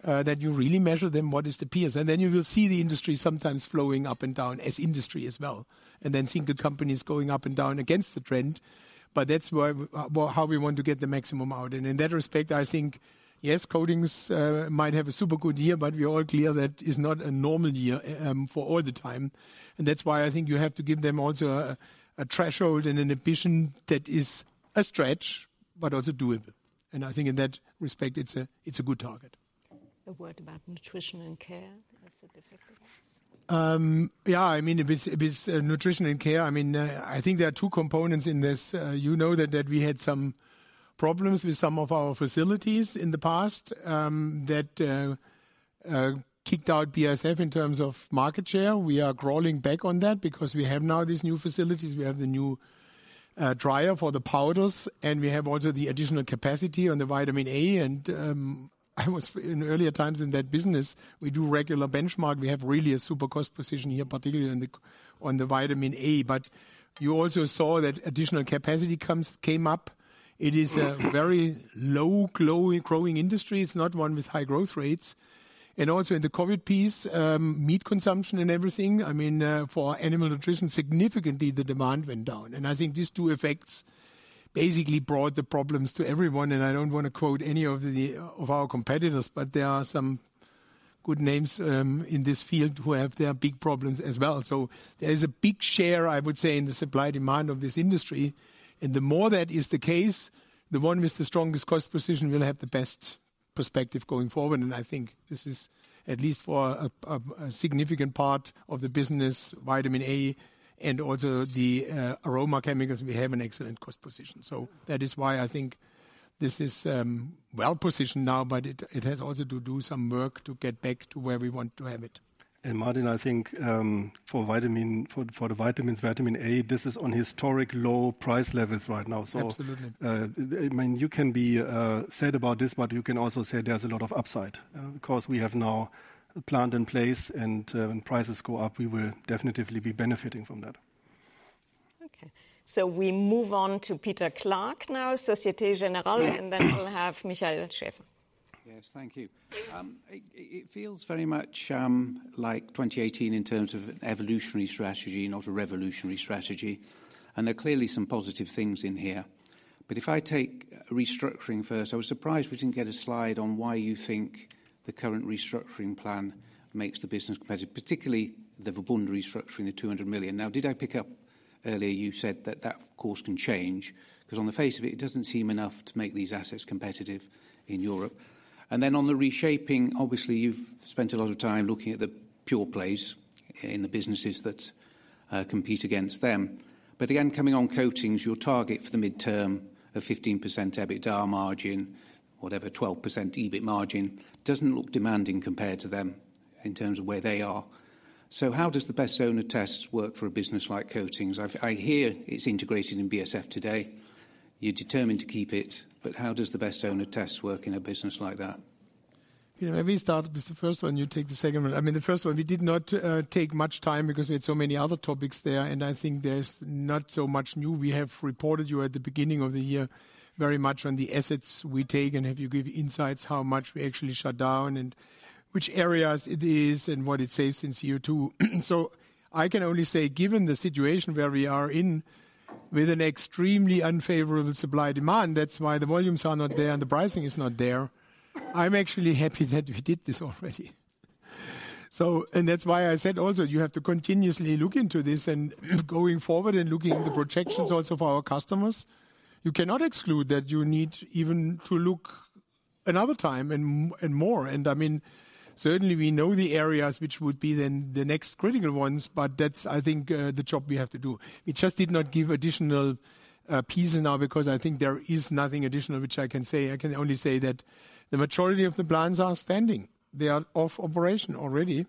that you really measure them, what is the peers? And then you will see the industry sometimes flowing up and down as industry as well, and then single companies going up and down against the trend. But that's where, well, how we want to get the maximum out. And in that respect, I think, yes, Coatings might have a super good year, but we are all clear that is not a normal year, for all the time. And that's why I think you have to give them also a threshold and an ambition that is a stretch, but also doable. And I think in that respect, it's a good target. A word about Nutrition and Care, also difficulties? Yeah, I mean, with, with Nutrition and Care, I mean, I think there are two components in this. You know that, that we had some problems with some of our facilities in the past, that kicked out BASF in terms of market share. We are crawling back on that because we have now these new facilities. We have the new dryer for the powders, and we have also the additional capacity on the vitamin A. I was in earlier times in that business; we do regular benchmark. We have really a super cost position here, particularly on the vitamin A. But you also saw that additional capacity came up. It is a very low-growing industry. It's not one with high growth rates. And also in the COVID piece, meat consumption and everything, I mean, for animal nutrition, significantly, the demand went down. And I think these two effects basically brought the problems to everyone. And I don't want to quote any of the, of our competitors, but there are some good names, in this field who have their big problems as well. So there is a big share, I would say, in the supply, demand of this industry. And the more that is the case, the one with the strongest cost position will have the best perspective going forward. And I think this is at least for a significant part of the business, vitamin A and also the, aroma chemicals, we have an excellent cost position. That is why I think this is well-positioned now, but it, it has also to do some work to get back to where we want to have it. And Martin, I think, for the vitamins, vitamin A, this is on historic low price levels right now, so- Absolutely... I mean, you can be sad about this, but you can also say there's a lot of upside. Because we have now a plant in place, and when prices go up, we will definitely be benefiting from that. Okay. So we move on to Peter Clark now, Société Générale, and then we'll have Michael Schaefer. Yes, thank you. It feels very much like 2018 in terms of evolutionary strategy, not a revolutionary strategy, and there are clearly some positive things in here. But if I take restructuring first, I was surprised we didn't get a slide on why you think the current restructuring plan makes the business competitive, particularly the Verbund restructuring, the 200 million. Now, did I pick up earlier, you said that that course can change? Because on the face of it, it doesn't seem enough to make these assets competitive in Europe. And then on the reshaping, obviously, you've spent a lot of time looking at the pure plays in the businesses that compete against them. But again, coming on Coatings, your target for the midterm, a 15% EBITDA margin, whatever, 12% EBIT margin, doesn't look demanding compared to them in terms of where they are. So how does the best owner tests work for a business like Coatings? I hear it's integrated in BASF today. You're determined to keep it, but how does the best owner tests work in a business like that?... You know, maybe start with the first one, you take the second one. I mean, the first one, we did not take much time because we had so many other topics there, and I think there's not so much new. We have reported you at the beginning of the year very much on the assets we take, and if you give insights, how much we actually shut down and which areas it is and what it saves in CO2. So I can only say, given the situation where we are in, with an extremely unfavorable supply-demand, that's why the volumes are not there and the pricing is not there. I'm actually happy that we did this already. So, and that's why I said also, you have to continuously look into this and going forward and looking at the projections also for our customers, you cannot exclude that you need even to look another time and more. And I mean, certainly we know the areas which would be then the next critical ones, but that's, I think, the job we have to do. We just did not give additional pieces now, because I think there is nothing additional which I can say. I can only say that the majority of the plants are standing; they are off operation already.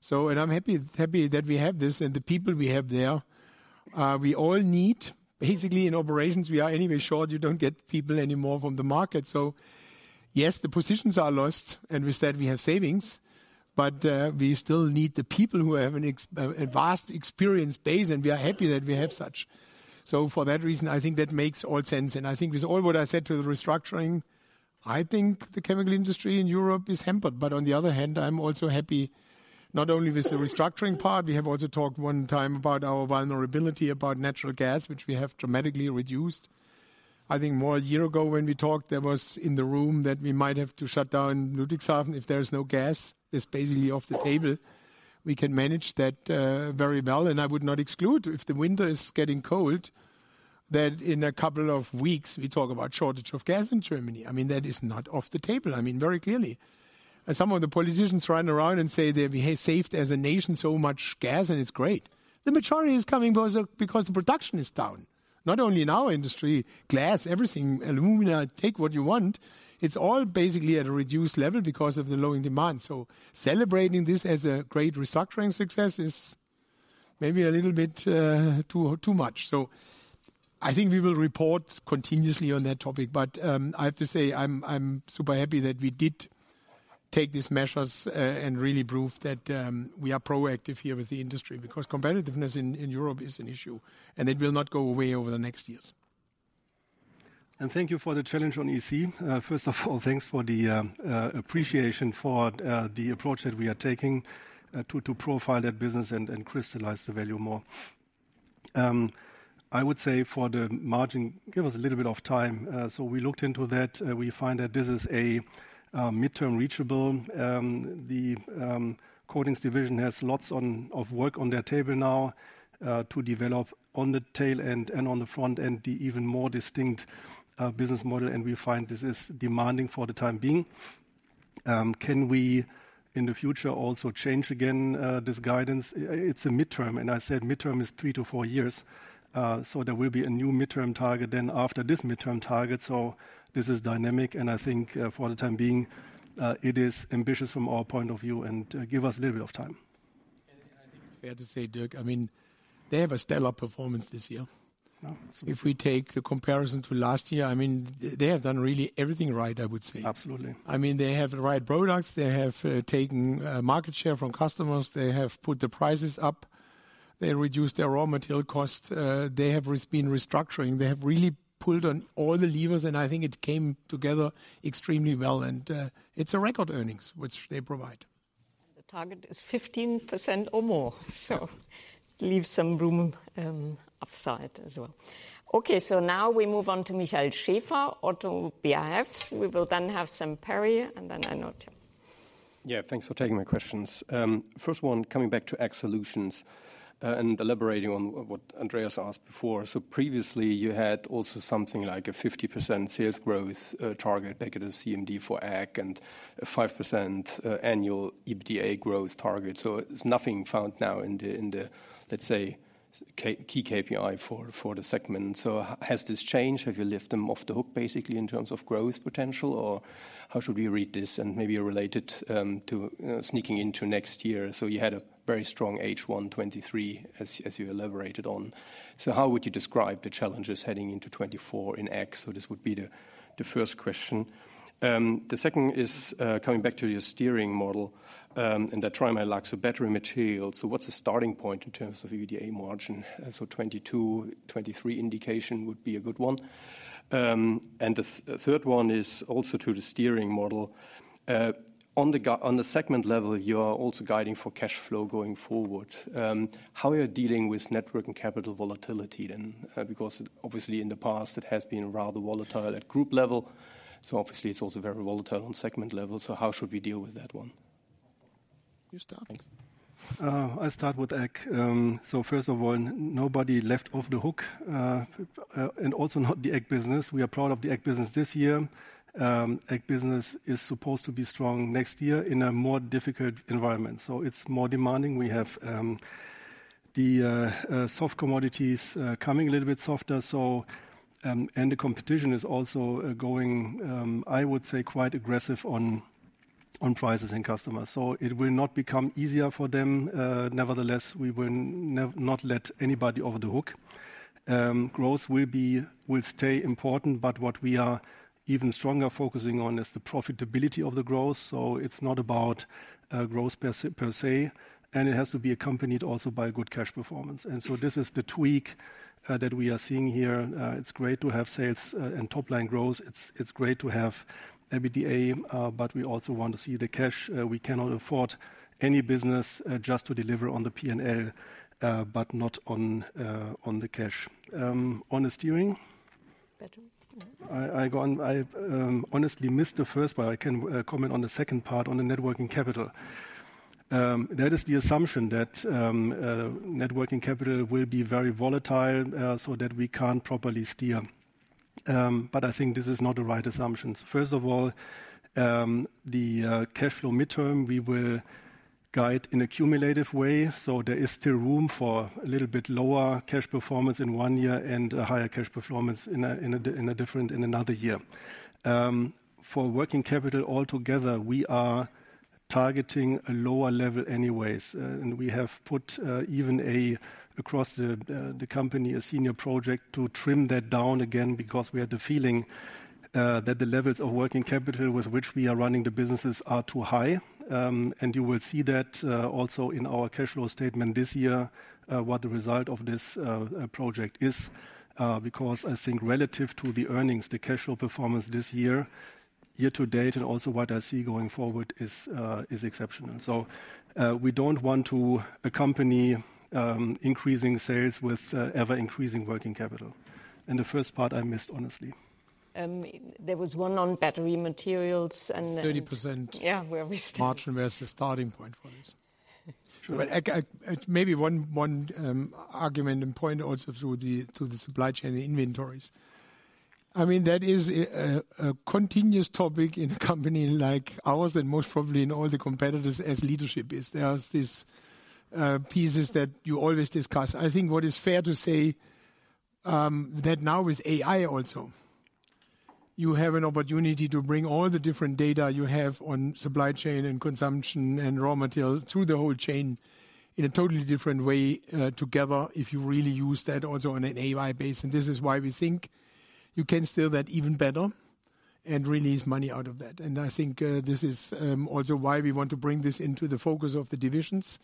So. And I'm happy, happy that we have this, and the people we have there, we all need basically in operations; we are anyway short. You don't get people anymore from the market. So yes, the positions are lost, and with that we have savings, but we still need the people who have a vast experience base, and we are happy that we have such. So for that reason, I think that makes all sense. I think with all what I said to the restructuring, I think the chemical industry in Europe is hampered. But on the other hand, I'm also happy not only with the restructuring part, we have also talked one time about our vulnerability, about natural gas, which we have dramatically reduced. I think more a year ago when we talked, there was in the room that we might have to shut down Ludwigshafen if there is no gas, it's basically off the table. We can manage that, very well, and I would not exclude if the winter is getting cold, that in a couple of weeks we talk about shortage of gas in Germany. I mean, that is not off the table. I mean, very clearly. Some of the politicians run around and say they have saved as a nation, so much gas and it's great. The majority is coming because the production is down, not only in our industry, glass, everything, alumina, take what you want. It's all basically at a reduced level because of the lowering demand. Celebrating this as a great restructuring success is maybe a little bit, too, too much. I think we will report continuously on that topic. But, I have to say, I'm super happy that we did take these measures, and really prove that we are proactive here with the industry, because competitiveness in Europe is an issue, and it will not go away over the next years. Thank you for the challenge on EC. First of all, thanks for the appreciation for the approach that we are taking to profile that business and crystallize the value more. I would say for the margin, give us a little bit of time. We looked into that. We find that this is a midterm reachable. The Coatings division has lots of work on their table now to develop on the tail end and on the front end the even more distinct business model, and we find this is demanding for the time being. Can we, in the future, also change again this guidance? It's a midterm, and I said midterm is 3-4 years. There will be a new midterm target then after this midterm target. So this is dynamic, and I think, for the time being, it is ambitious from our point of view, and give us a little bit of time. I think it's fair to say, Dirk, I mean, they have a stellar performance this year. Yeah. If we take the comparison to last year, I mean, they have done really everything right, I would say. Absolutely. I mean, they have the right products. They have taken market share from customers. They have put the prices up. They reduced their raw material costs. They have been restructuring. They have really pulled on all the levers, and I think it came together extremely well, and it's a record earnings which they provide. The target is 15% or more, so leave some room, upside as well. Okay, so now we move on to Michael Schaefer, ODDO BHF. We will then have Sam Perry, and then I know Tim. Yeah, thanks for taking my questions. First one, coming back to Ag Solutions, and elaborating on what Andreas asked before. So previously, you had also something like a 50% sales growth target back at the CMD for Ag and a 5% annual EBITDA growth target. So there's nothing found now in the, let's say, key KPI for the segment. So has this changed? Have you lift them off the hook, basically, in terms of growth potential, or how should we read this? And maybe related, to sneaking into next year. So you had a very strong H1 2023, as you elaborated on. So how would you describe the challenges heading into 2024 in Ag? So this would be the first question. The second is coming back to your steering model, and that TripleS lacks a battery material. So what's the starting point in terms of EBITDA margin? So 2022, 2023 indication would be a good one. And the third one is also to the steering model. On the segment level, you are also guiding for cash flow going forward. How are you dealing with network and capital volatility then? Because obviously in the past, it has been rather volatile at group level, so obviously it's also very volatile on segment level. So how should we deal with that one? You start. Thanks. I start with Ag. So first of all, nobody left off the hook, and also not the Ag business. We are proud of the Ag business this year. Ag business is supposed to be strong next year in a more difficult environment, so it's more demanding. We have the soft commodities coming a little bit softer. So, and the competition is also going, I would say, quite aggressive on prices and customers. So it will not become easier for them, nevertheless, we will not let anybody off the hook. Growth will be, will stay important, but what we are even stronger focusing on is the profitability of the growth. So it's not about growth per se, per se, and it has to be accompanied also by a good cash performance. So this is the tweak that we are seeing here. It's great to have sales and top-line growth. It's great to have EBITDA, but we also want to see the cash. We cannot afford any business just to deliver on the P&L, but not on the cash. On the steering? Battery, yeah. I go on—I honestly missed the first, but I can comment on the second part on the net working capital. That is the assumption that net working capital will be very volatile, so that we can't properly steer. But I think this is not the right assumption. First of all, the mid-term cash flow, we will guide in a cumulative way, so there is still room for a little bit lower cash performance in one year and a higher cash performance in another year. For working capital altogether, we are targeting a lower level anyways. And we have put even across the company a senior project to trim that down again, because we had the feeling that the levels of working capital with which we are running the businesses are too high. And you will see that also in our cash flow statement this year what the result of this project is. Because I think relative to the earnings, the cash flow performance this year, year to date, and also what I see going forward is exceptional. So we don't want to accompany increasing sales with ever-increasing working capital. And the first part I missed, honestly. There was one on battery materials, and then- Thirty percent- Yeah, where we Margin was the starting point for this. True. But I... Maybe one argument and point also through to the supply chain, the inventories. I mean, that is a continuous topic in a company like ours, and most probably in all the competitors as well as leadership is. There are these pieces that you always discuss. I think what is fair to say, that now with AI also, you have an opportunity to bring all the different data you have on supply chain and consumption and raw material through the whole chain in a totally different way together, if you really use that also on an AI base. And this is why we think you can steer that even better and release money out of that. I think this is also why we want to bring this into the focus of the divisions,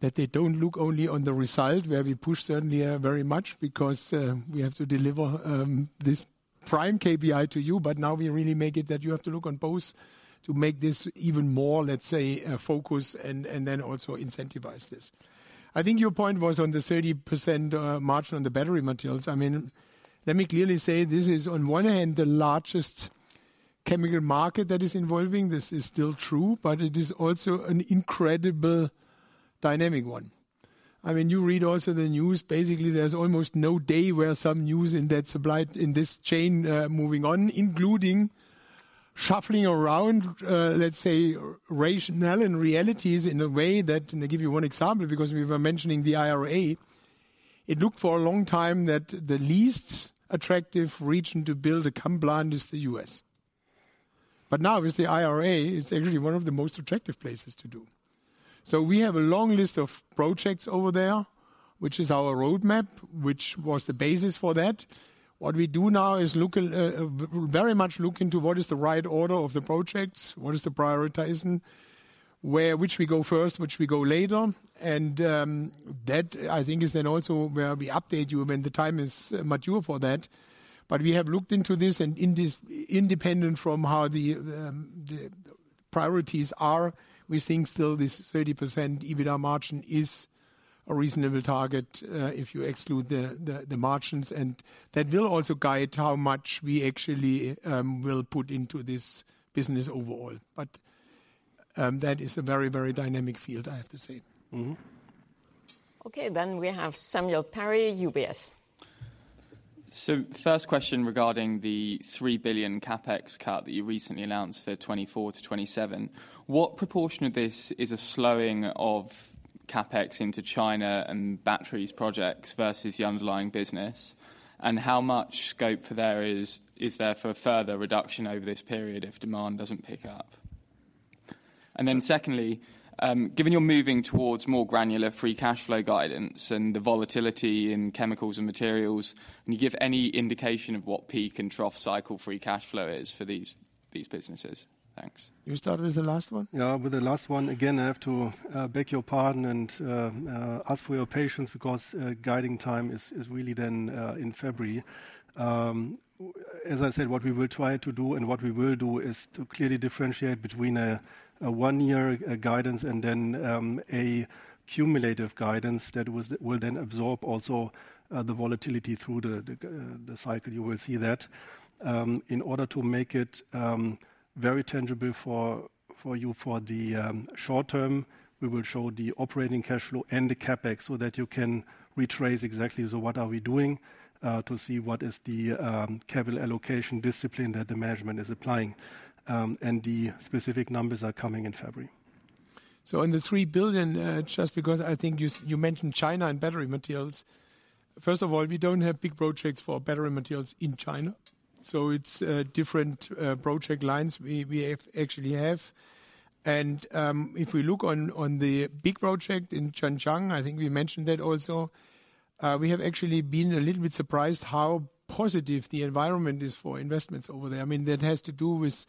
that they don't look only on the result, where we push certainly very much because we have to deliver this prime KPI to you. But now we really make it that you have to look on both to make this even more, let's say, focused and then also incentivize this. I think your point was on the 30% margin on the battery materials. I mean, let me clearly say, this is on one hand, the largest chemical market that is involving. This is still true, but it is also an incredible dynamic one. I mean, you read also the news. Basically, there's almost no day where some news in that supply, in this chain, moving on, including shuffling around, let's say, rationale and realities in a way that... I give you one example, because we were mentioning the IRA. It looked for a long time that the least attractive region to build a Verbund is the U.S. But now, with the IRA, it's actually one of the most attractive places to do. So we have a long list of projects over there, which is our roadmap, which was the basis for that. What we do now is look very much into what is the right order of the projects, what is the prioritizing, which we go first, which we go later. And that, I think, is then also where we update you when the time is mature for that. But we have looked into this, and, independent from how the priorities are, we think still this 30% EBITDA margin is a reasonable target, if you exclude the margins. And that will also guide how much we actually will put into this business overall. But, that is a very, very dynamic field, I have to say. Mm-hmm. Okay, then we have Samuel Perry, UBS. So first question regarding the 3 billion CapEx cut that you recently announced for 2024 to 2027. What proportion of this is a slowing of CapEx into China and batteries projects versus the underlying business? And how much scope is there for a further reduction over this period if demand doesn't pick up? And then secondly, given you're moving towards more granular free cash flow guidance and the volatility in chemicals and materials, can you give any indication of what peak and trough cycle free cash flow is for these businesses? Thanks. You start with the last one? Yeah, with the last one, again, I have to beg your pardon and ask for your patience because guiding time is really then in February. As I said, what we will try to do and what we will do is to clearly differentiate between a one-year guidance and then a cumulative guidance that will then absorb also the volatility through the cycle. You will see that. In order to make it very tangible for you for the short term, we will show the operating cash flow and the CapEx so that you can retrace exactly, so what are we doing to see what is the capital allocation discipline that the management is applying. And the specific numbers are coming in February.... So on the 3 billion, just because I think you mentioned China and battery materials. First of all, we don't have big projects for battery materials in China, so it's different project lines we actually have. And if we look on the big project in Zhanjiang, I think we mentioned that also. We have actually been a little bit surprised how positive the environment is for investments over there. I mean, that has to do with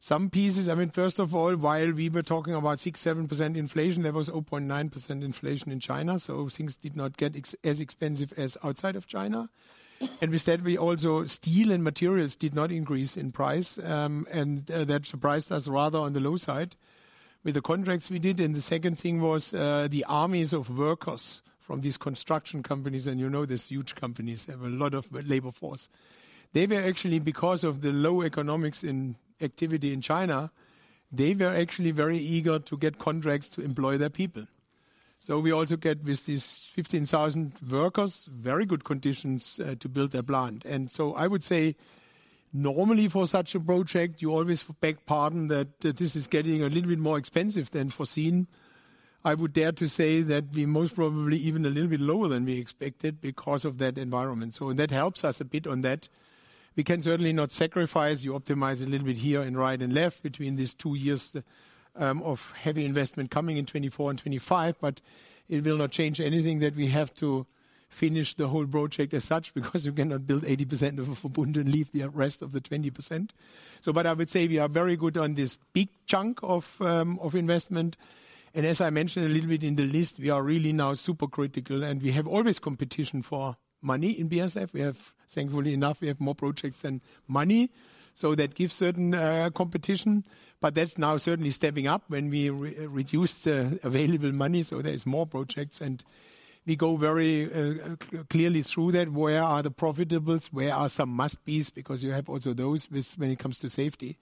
some pieces. I mean, first of all, while we were talking about 6%-7% inflation, there was 0.9% inflation in China, so things did not get as expensive as outside of China. And with that, we also, steel and materials did not increase in price, and that surprised us rather on the low side with the contracts we did. And the second thing was, the armies of workers from these construction companies, and you know, these huge companies have a lot of labor force. They were actually, because of the low economics in activity in China, they were actually very eager to get contracts to employ their people. So we also get, with these 15,000 workers, very good conditions, to build their plant. And so I would say, normally for such a project, you always beg pardon, that this is getting a little bit more expensive than foreseen. I would dare to say that we most probably even a little bit lower than we expected because of that environment. So that helps us a bit on that. We can certainly not sacrifice. You optimize a little bit here and right and left between these two years of heavy investment coming in 2024 and 2025, but it will not change anything that we have to finish the whole project as such, because you cannot build 80% of a building and leave the rest of the 20%. So but I would say we are very good on this big chunk of investment. And as I mentioned a little bit in the list, we are really now super critical, and we have always competition for money in BASF. We have thankfully enough, we have more projects than money, so that gives certain competition. But that's now certainly stepping up when we reduce the available money, so there is more projects. We go very clearly through that. Where are the profitables? Where are some must-be's? Because you have also those with when it comes to safety.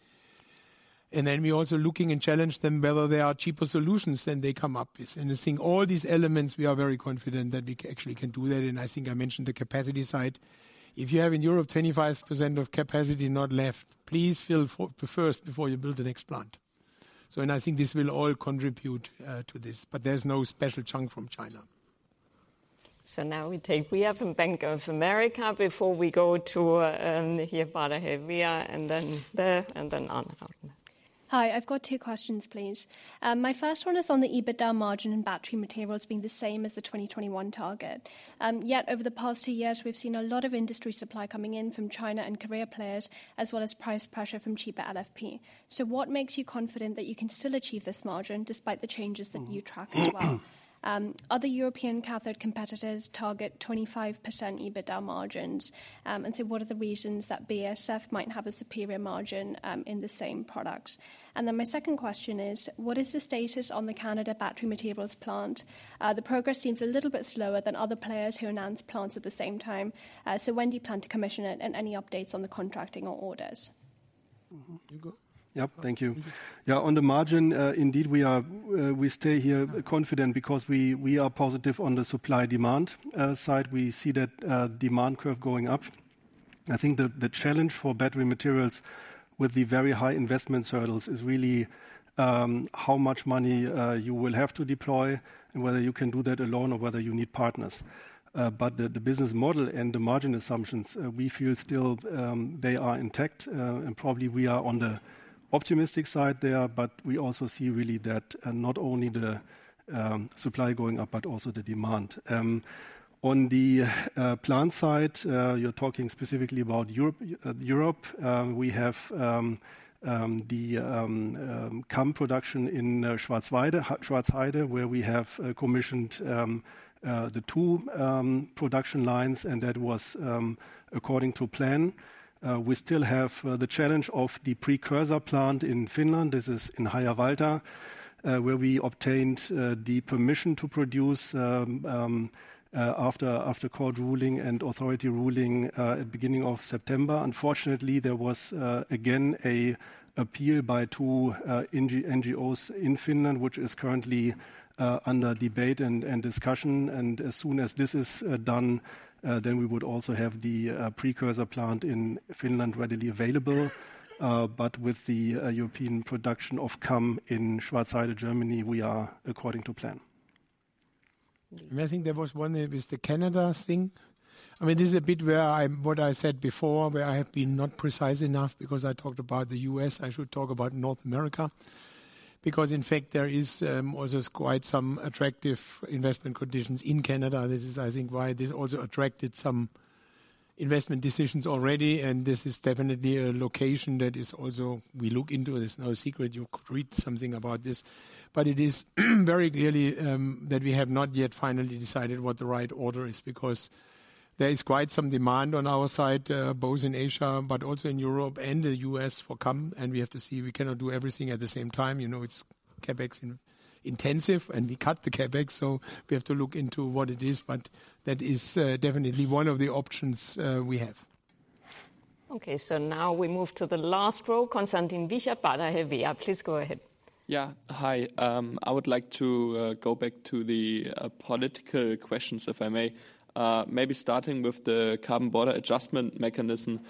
And then we're also looking and challenge them, whether there are cheaper solutions than they come up with. And I think all these elements, we are very confident that we actually can do that, and I think I mentioned the capacity side. If you have in Europe, 25% of capacity not left, please fill for first before you build the next plant. So and I think this will all contribute to this, but there's no special chunk from China. So now we take Riya from Bank of America before we go to here, Baader Helvea, and then there, and then on out. Hi, I've got two questions, please. My first one is on the EBITDA margin and battery materials being the same as the 2021 target. Yet over the past two years, we've seen a lot of industry supply coming in from China and key players, as well as price pressure from cheaper LFP. So what makes you confident that you can still achieve this margin despite the changes that you track as well? Other European cathode competitors target 25% EBITDA margins. And so what are the reasons that BASF might have a superior margin, in the same products? And then my second question is: What is the status on the Canada battery materials plant? The progress seems a little bit slower than other players who announced plants at the same time. When do you plan to commission it, and any updates on the contracting or orders? Mm-hmm. You go. Yep. Thank you. Yeah, on the margin, indeed we are, we stay here confident because we, we are positive on the supply-demand side. We see that demand curve going up. I think the challenge for battery materials with the very high investment hurdles is really how much money you will have to deploy and whether you can do that alone or whether you need partners. But the business model and the margin assumptions we feel still they are intact, and probably we are on the optimistic side there, but we also see really that not only the supply going up, but also the demand. On the plant side, you're talking specifically about Europe, Europe. We have the CAM production in Schwarzheide, where we have commissioned the two production lines, and that was according to plan. We still have the challenge of the precursor plant in Finland. This is in Harjavalta, where we obtained the permission to produce after court ruling and authority ruling at beginning of September. Unfortunately, there was again a appeal by two NGOs in Finland, which is currently under debate and discussion, and as soon as this is done, then we would also have the precursor plant in Finland readily available. But with the European production of CAM in Schwarzheide, Germany, we are according to plan. I think there was one with the Canada thing. I mean, this is a bit where what I said before, where I have been not precise enough because I talked about the US, I should talk about North America. Because in fact, there is also quite some attractive investment conditions in Canada. This is, I think, why this also attracted some investment decisions already, and this is definitely a location that is also we look into. It's no secret, you could read something about this. But it is very clearly that we have not yet finally decided what the right order is, because there is quite some demand on our side both in Asia, but also in Europe and the US for CAM, and we have to see. We cannot do everything at the same time. You know, it's CapEx intensive, and we cut the CapEx, so we have to look into what it is, but that is definitely one of the options we have.... Okay, so now we move to the last row, Konstantin Wiechert, Baader Helvea. Please go ahead. Yeah. Hi, I would like to go back to the political questions, if I may. Maybe starting with the Carbon Border Adjustment Mechanism.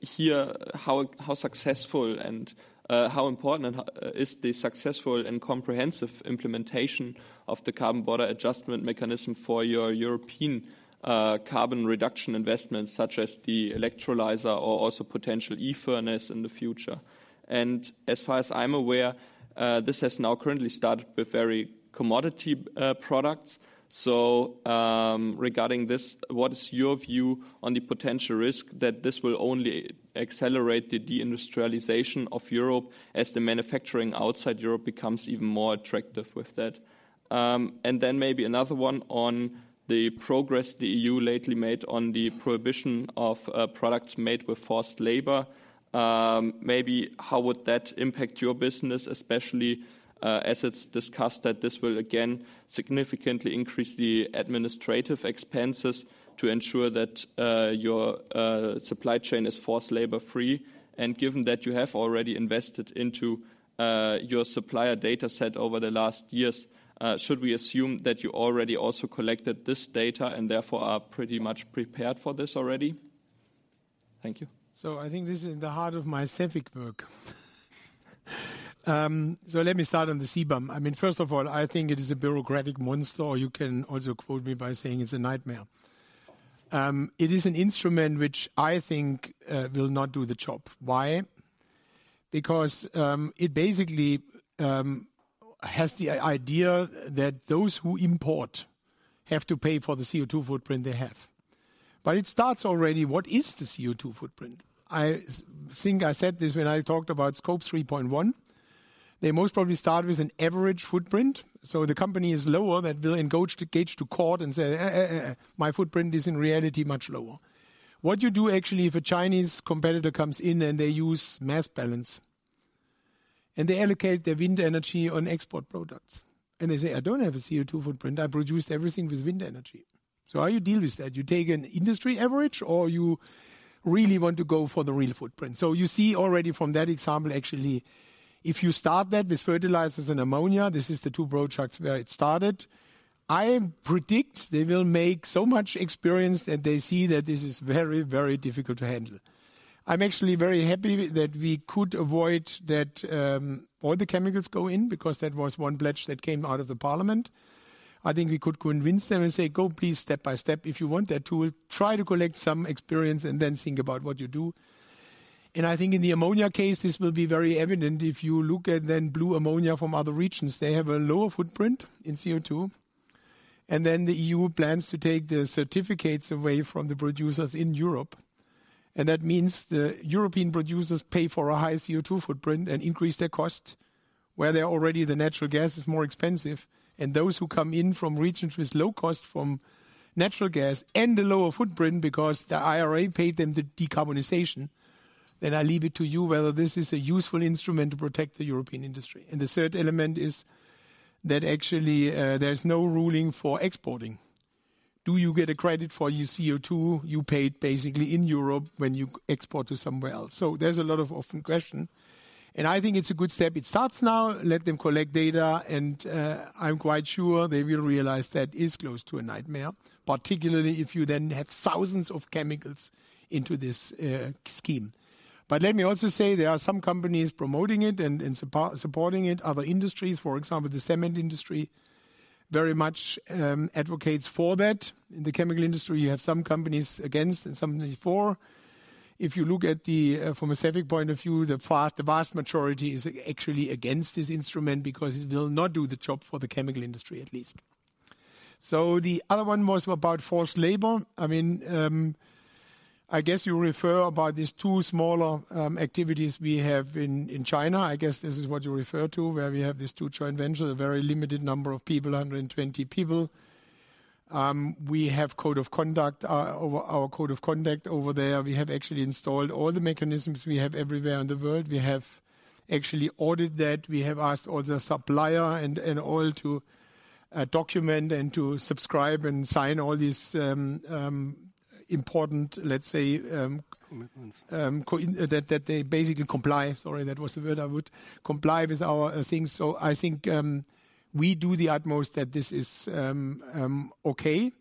Here, how successful and how important and how is the successful and comprehensive implementation of the Carbon Border Adjustment Mechanism for your European carbon reduction investments, such as the electrolyzer or also potential e-furnace in the future? And as far as I'm aware, this has now currently started with very commodity products. So, regarding this, what is your view on the potential risk that this will only accelerate the de-industrialization of Europe as the manufacturing outside Europe becomes even more attractive with that? And then maybe another one on the progress the EU lately made on the prohibition of products made with forced labor. Maybe how would that impact your business, especially, as it's discussed, that this will again significantly increase the administrative expenses to ensure that your supply chain is forced labor-free? And given that you have already invested into your supplier data set over the last years, should we assume that you already also collected this data and therefore are pretty much prepared for this already? Thank you. So I think this is in the heart of my CEFIC work. So let me start on the CBAM. I mean, first of all, I think it is a bureaucratic monster, or you can also quote me by saying it's a nightmare. It is an instrument which I think will not do the job. Why? Because it basically has the idea that those who import have to pay for the CO2 footprint they have. But it starts already, what is the CO2 footprint? I think I said this when I talked about Scope 3.1 They most probably start with an average footprint, so the company is lower, that will go to court and say, "My footprint is in reality much lower." What do you do, actually, if a Chinese competitor comes in and they use mass balance, and they allocate their wind energy on export products, and they say, "I don't have a CO2 footprint. I produced everything with wind energy." So how do you deal with that? You take an industry average, or you really want to go for the real footprint. So you see already from that example, actually, if you start that with fertilizers and ammonia, this is the two products where it started. I predict they will make so much experience, and they see that this is very, very difficult to handle. I'm actually very happy that we could avoid that, all the chemicals go in, because that was one pledge that came out of the parliament. I think we could convince them and say, "Go, please, step by step. If you want that tool, try to collect some experience and then think about what you do." And I think in the ammonia case, this will be very evident. If you look at then blue ammonia from other regions, they have a lower footprint in CO2, and then the EU plans to take the certificates away from the producers in Europe. And that means the European producers pay for a high CO2 footprint and increase their cost, where they're already the natural gas is more expensive. And those who come in from regions with low cost from natural gas and a lower footprint because the IRA paid them the decarbonization, then I leave it to you whether this is a useful instrument to protect the European industry. And the third element is that actually, there's no ruling for exporting. Do you get a credit for your CO2 you paid basically in Europe when you export to somewhere else? So there's a lot of open question, and I think it's a good step. It starts now, let them collect data, and I'm quite sure they will realize that is close to a nightmare, particularly if you then have thousands of chemicals into this scheme. But let me also say, there are some companies promoting it and supporting it. Other industries, for example, the cement industry, very much advocates for that. In the chemical industry, you have some companies against and some for. If you look at the from a CEFIC point of view, the vast majority is actually against this instrument because it will not do the job for the chemical industry, at least. So the other one was about forced labor. I mean, I guess you refer about these two smaller activities we have in China. I guess this is what you refer to, where we have these two joint ventures, a very limited number of people, 120 people. We have code of conduct over our code of conduct over there. We have actually installed all the mechanisms we have everywhere in the world. We have actually audit that. We have asked all the supplier and all to document and to subscribe and sign all these important, let's say, Commitments... that they basically comply. Sorry, that was the word I would, comply with our things. So I think we do the utmost that this is okay,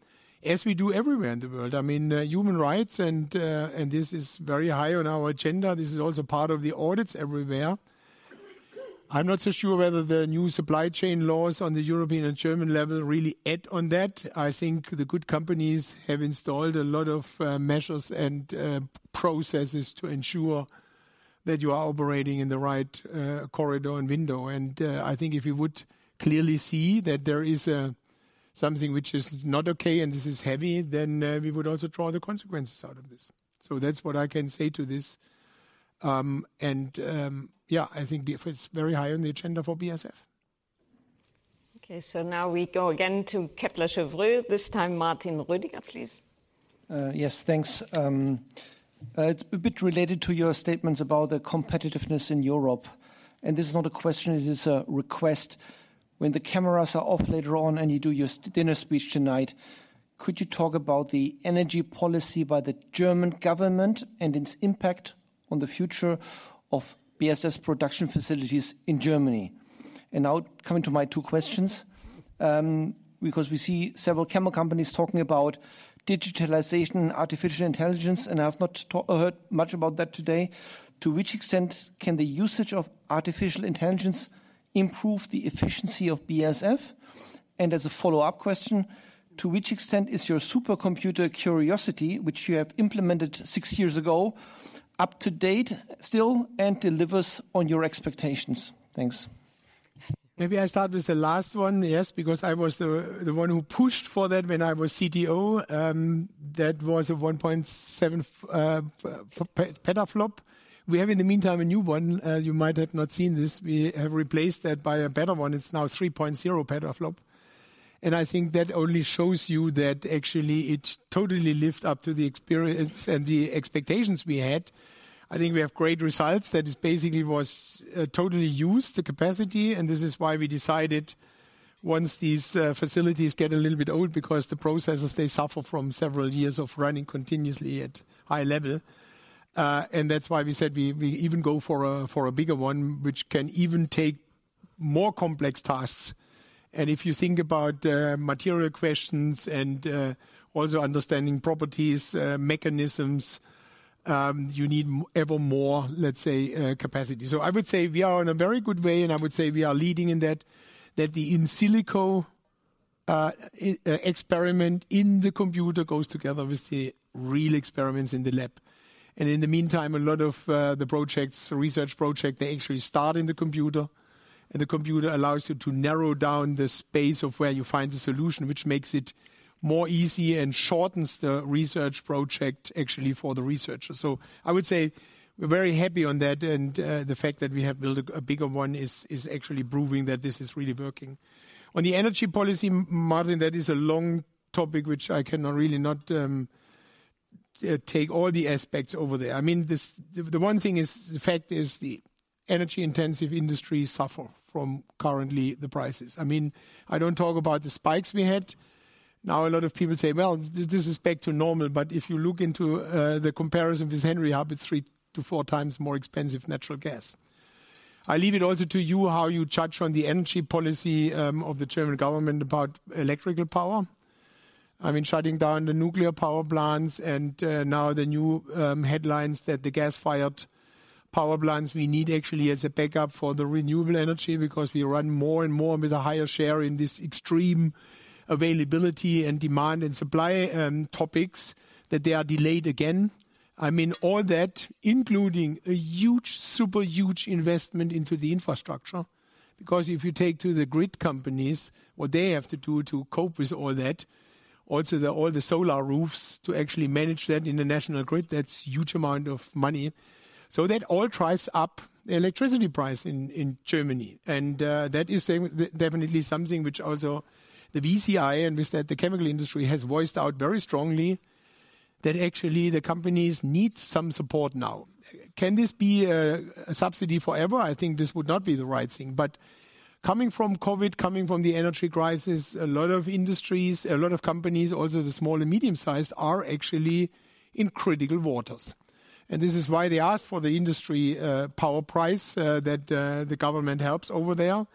as we do everywhere in the world. I mean, human rights and, and this is very high on our agenda. This is also part of the audits everywhere. I'm not so sure whether the new supply chain laws on the European and German level really add on that. I think the good companies have installed a lot of measures and processes to ensure that you are operating in the right corridor and window. And I think if you would clearly see that there is something which is not okay and this is heavy, then we would also draw the consequences out of this. That's what I can say to this. Yeah, I think the effort's very high on the agenda for BASF. Okay, so now we go again to Kepler Cheuvreux. This time, Martin Rödiger, please. Yes, thanks. It's a bit related to your statements about the competitiveness in Europe, and this is not a question, it is a request. When the cameras are off later on and you do your dinner speech tonight, could you talk about the energy policy by the German government and its impact on the future of BASF's production facilities in Germany? Now coming to my two questions, because we see several chemical companies talking about digitalization, artificial intelligence, and I have not heard much about that today. To which extent can the usage of artificial intelligence improve the efficiency of BASF? And as a follow-up question, to which extent is your supercomputer Quriosity, which you have implemented six years ago, up to date still, and delivers on your expectations? Thanks. Maybe I start with the last one, yes, because I was the one who pushed for that when I was CTO. That was a 1.7 petaflop. We have, in the meantime, a new one. You might have not seen this. We have replaced that by a better one. It's now 3.0 petaflop, and I think that only shows you that actually it totally lived up to the experience and the expectations we had. I think we have great results. That is basically was totally used, the capacity, and this is why we decided once these facilities get a little bit old, because the processors, they suffer from several years of running continuously at high level. And that's why we said we even go for a bigger one, which can even take more complex tasks. And if you think about material questions and also understanding properties, mechanisms, you need ever more, let's say, capacity. So I would say we are in a very good way, and I would say we are leading in that, that the in silico experiment in the computer goes together with the real experiments in the lab. And in the meantime, a lot of the projects, research project, they actually start in the computer, and the computer allows you to narrow down the space of where you find the solution, which makes it more easy and shortens the research project actually for the researcher. So I would say we're very happy on that, and the fact that we have built a bigger one is actually proving that this is really working. On the energy policy, Martin, that is a long topic, which I cannot really not take all the aspects over there. I mean, this. The one thing is, the fact is the energy-intensive industry suffer from currently the prices. I mean, I don't talk about the spikes we had. Now, a lot of people say, "Well, this is back to normal." But if you look into the comparison with Henry Hub, it's 3-4 times more expensive natural gas. I leave it also to you, how you judge on the energy policy of the German government about electrical power. I mean, shutting down the nuclear power plants and, now the new headlines that the gas-fired power plants we need actually as a backup for the renewable energy because we run more and more with a higher share in this extreme availability and demand and supply topics, that they are delayed again. I mean, all that, including a huge, super huge investment into the infrastructure, because if you take to the grid companies, what they have to do to cope with all that, also all the solar roofs, to actually manage that in the national grid, that's huge amount of money. So that all drives up the electricity price in Germany. And, that is definitely something which also the VCI, and with that, the chemical industry, has voiced out very strongly that actually the companies need some support now. Can this be a subsidy forever? I think this would not be the right thing. But coming from COVID, coming from the energy crisis, a lot of industries, a lot of companies, also the small and medium-sized, are actually in critical waters. And this is why they asked for the industry power price that the government helps over there.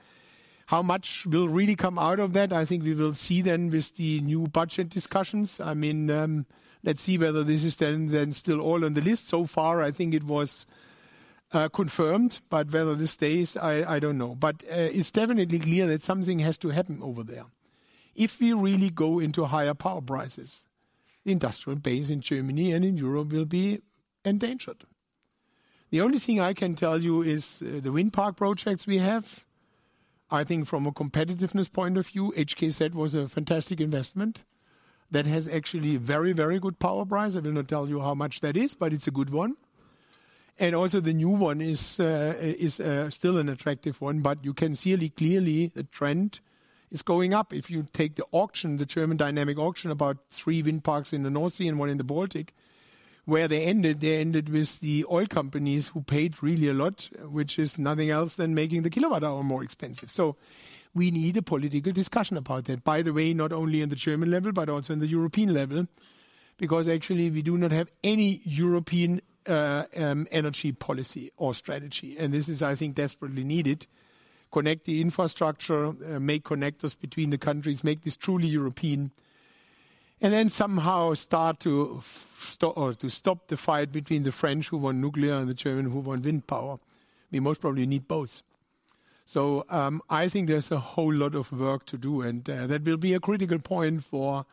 How much will really come out of that? I think we will see then with the new budget discussions. I mean, let's see whether this is then still all on the list. So far, I think it was confirmed, but whether this stays, I don't know. But it's definitely clear that something has to happen over there. If we really go into higher power prices, the industrial base in Germany and in Europe will be endangered. The only thing I can tell you is, the wind park projects we have, I think from a competitiveness point of view, HKZ was a fantastic investment that has actually very, very good power price. I will not tell you how much that is, but it's a good one. And also the new one is still an attractive one, but you can clearly, clearly the trend is going up. If you take the auction, the German dynamic auction, about three wind parks in the North Sea and one in the Baltic, where they ended, they ended with the oil companies, who paid really a lot, which is nothing else than making the kilowatt hour more expensive. So we need a political discussion about that, by the way, not only in the German level but also in the European level, because actually we do not have any European energy policy or strategy, and this is, I think, desperately needed. Connect the infrastructure, make connectors between the countries, make this truly European, and then somehow start to stop the fight between the French, who want nuclear, and the German, who want wind power. We most probably need both. So, I think there's a whole lot of work to do, and that will be a critical point for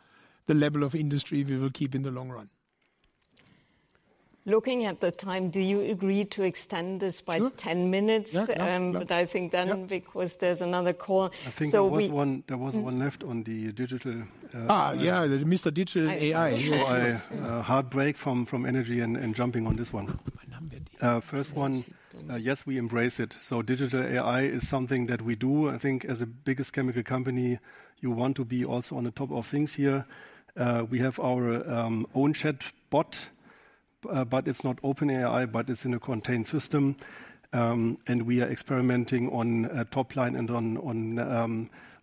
the level of industry we will keep in the long run. Looking at the time, do you agree to extend this by? Sure... 10 minutes? Yeah, yeah. I think then- Yeah... because there's another call. So we- I think there was one, there was one left on the digital. Yeah, the Mr. Digital AI. So I hard break from energy and jumping on this one. First one, yes, we embrace it. So digital AI is something that we do. I think as the biggest chemical company, you want to be also on the top of things here. We have our own chatbot, but it's not OpenAI, but it's in a contained system. And we are experimenting on top line and on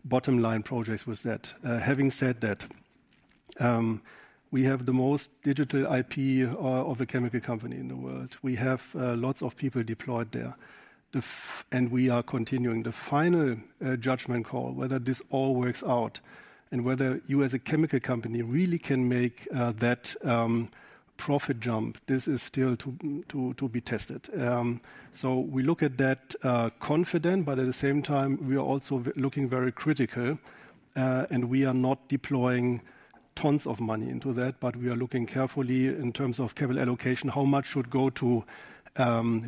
bottom line projects with that. Having said that, we have the most digital IP of a chemical company in the world. We have lots of people deployed there. And we are continuing the final judgment call, whether this all works out, and whether you as a chemical company really can make that profit jump; this is still to be tested. So we look at that confident, but at the same time, we are also looking very critical, and we are not deploying tons of money into that, but we are looking carefully in terms of capital allocation, how much should go to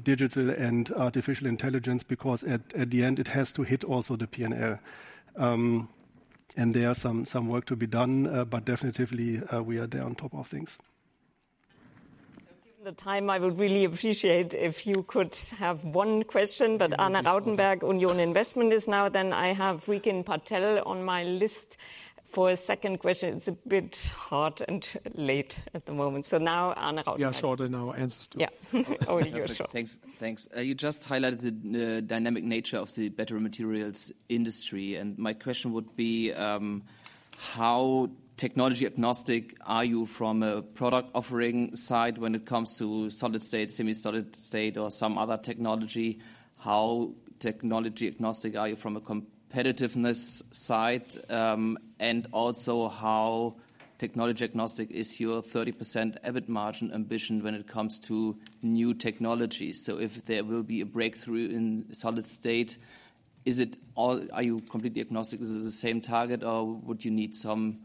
digital and artificial intelligence, because at the end, it has to hit also the P&L. And there are some work to be done, but definitely, we are there on top of things. So, given the time, I would really appreciate if you could have one question, but Arne Rautenberg, Union Investment, is now. Then I have Rikin Patel on my list for a second question. It's a bit hot and late at the moment. So now, Arne Rautenberg. Yeah, shorter now, answers, too. Yeah. Only yours short. Thanks, thanks. You just highlighted the dynamic nature of the battery materials industry, and my question would be, how technology-agnostic are you from a product-offering side when it comes to solid state, semi-solid state, or some other technology? How technology-agnostic are you from a competitiveness side? And also, how technology-agnostic is your 30% EBIT margin ambition when it comes to new technologies? So if there will be a breakthrough in solid state, is it all—Are you completely agnostic? Is it the same target, or would you need some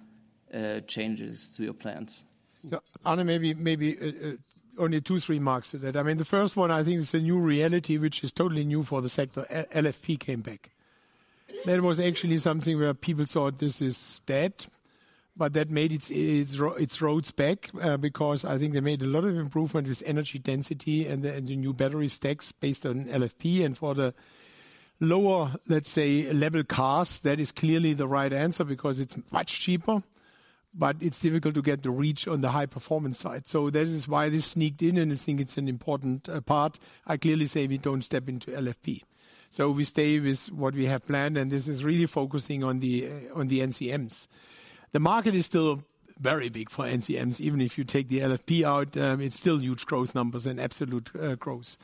changes to your plans? Yeah. Arne, maybe only two, three marks to that. I mean, the first one, I think, is a new reality, which is totally new for the sector. LFP came back. That was actually something where people thought this is dead, but that made its road back because I think they made a lot of improvement with energy density and the new battery stacks based on LFP. And for the lower, let's say, level cars, that is clearly the right answer because it's much cheaper, but it's difficult to get the reach on the high-performance side. So this is why this sneaked in, and I think it's an important part. I clearly say we don't step into LFP, so we stay with what we have planned, and this is really focusing on the NCMs. The market is still very big for NCMs. Even if you take the LFP out, it's still huge growth numbers and absolute growth.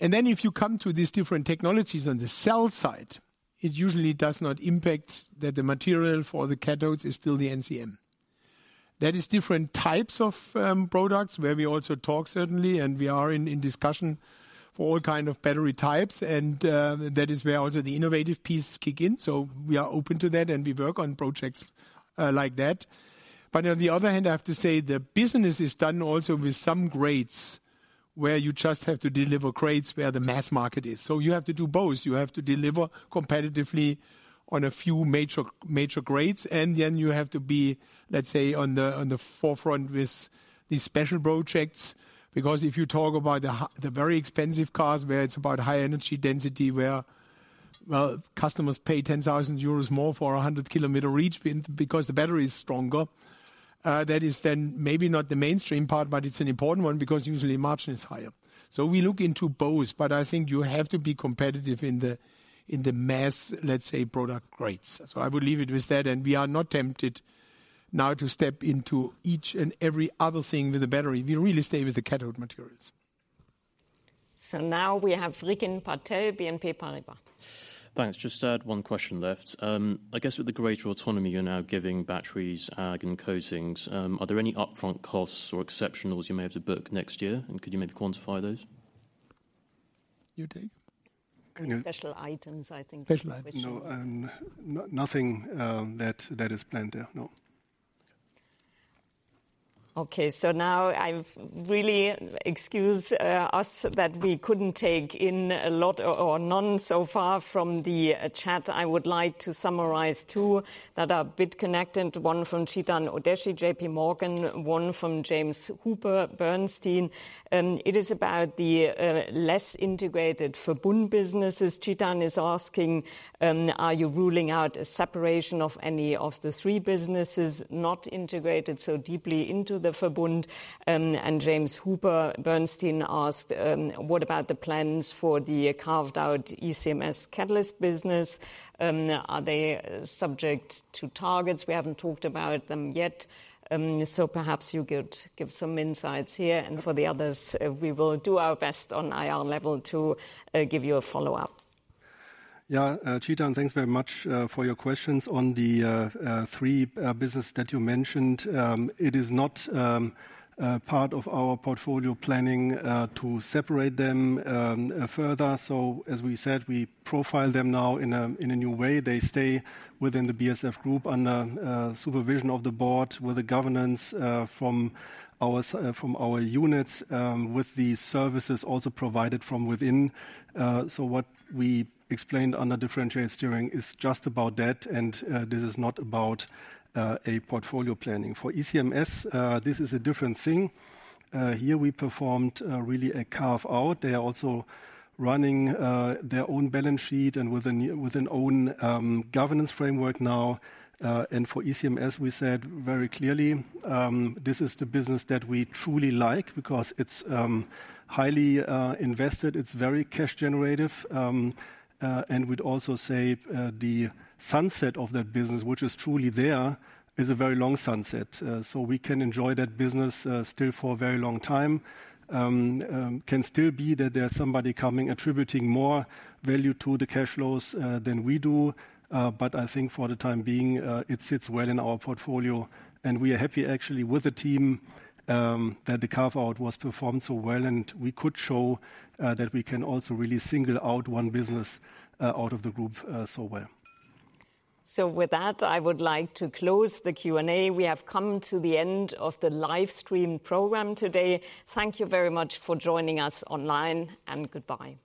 And then, if you come to these different technologies on the cell side, it usually does not impact that the material for the cathodes is still the NCM. There are different types of products where we also talk, certainly, and we are in discussion for all kind of battery types, and that is where also the innovative pieces kick in. So we are open to that, and we work on projects like that. But on the other hand, I have to say, the business is done also with some grades, where you just have to deliver grades where the mass market is. So you have to do both. You have to deliver competitively on a few major, major grades, and then you have to be, let's say, on the, on the forefront with these special projects. Because if you talk about the very expensive cars, where it's about high energy density, where, well, customers pay 10,000 euros more for a 100-kilometer reach because the battery is stronger, that is then maybe not the mainstream part, but it's an important one because usually margin is higher. So we look into both, but I think you have to be competitive in the, in the mass, let's say, product grades. So I would leave it with that, and we are not tempted now to step into each and every other thing with the battery. We really stay with the cathode materials. Now we have Rikin Patel, BNP Paribas. Thanks. Just one question left. I guess with the greater autonomy you're now giving batteries, ag, and coatings, are there any upfront costs or exceptionals you may have to book next year? And could you maybe quantify those? You take? Special items, I think. Special items. No, nothing that is planned there, no. Okay, so now, really, excuse us that we couldn't take in a lot or none so far from the chat. I would like to summarize two that are a bit connected, one from Chetan Udeshi, J.P. Morgan, one from James Hooper, Bernstein. And it is about the less integrated Verbund businesses. Chetan is asking: Are you ruling out a separation of any of the three businesses not integrated so deeply into the Verbund? And James Hooper, Bernstein, asked: What about the plans for the carved-out ECMS catalyst business? Are they subject to targets? We haven't talked about them yet, so perhaps you could give some insights here. And for the others, we will do our best on IR level to give you a follow-up. Yeah, Chetan, thanks very much for your questions on the three business that you mentioned. It is not part of our portfolio planning to separate them further. So as we said, we profile them now in a new way. They stay within the BASF group under supervision of the board, with the governance from our units, with the services also provided from within. So what we explained under differentiated steering is just about that, and this is not about a portfolio planning. For ECMS, this is a different thing. Here we performed really a carve-out. They are also running their own balance sheet and with an own governance framework now. And for ECMS, we said very clearly, this is the business that we truly like because it's highly invested, it's very cash generative. And we'd also say, the sunset of that business, which is truly there, is a very long sunset. So we can enjoy that business still for a very long time. Can still be that there are somebody coming, attributing more value to the cash flows than we do. But I think for the time being, it sits well in our portfolio, and we are happy actually with the team that the carve-out was performed so well, and we could show that we can also really single out one business out of the group so well. With that, I would like to close the Q&A. We have come to the end of the live stream program today. Thank you very much for joining us online, and goodbye.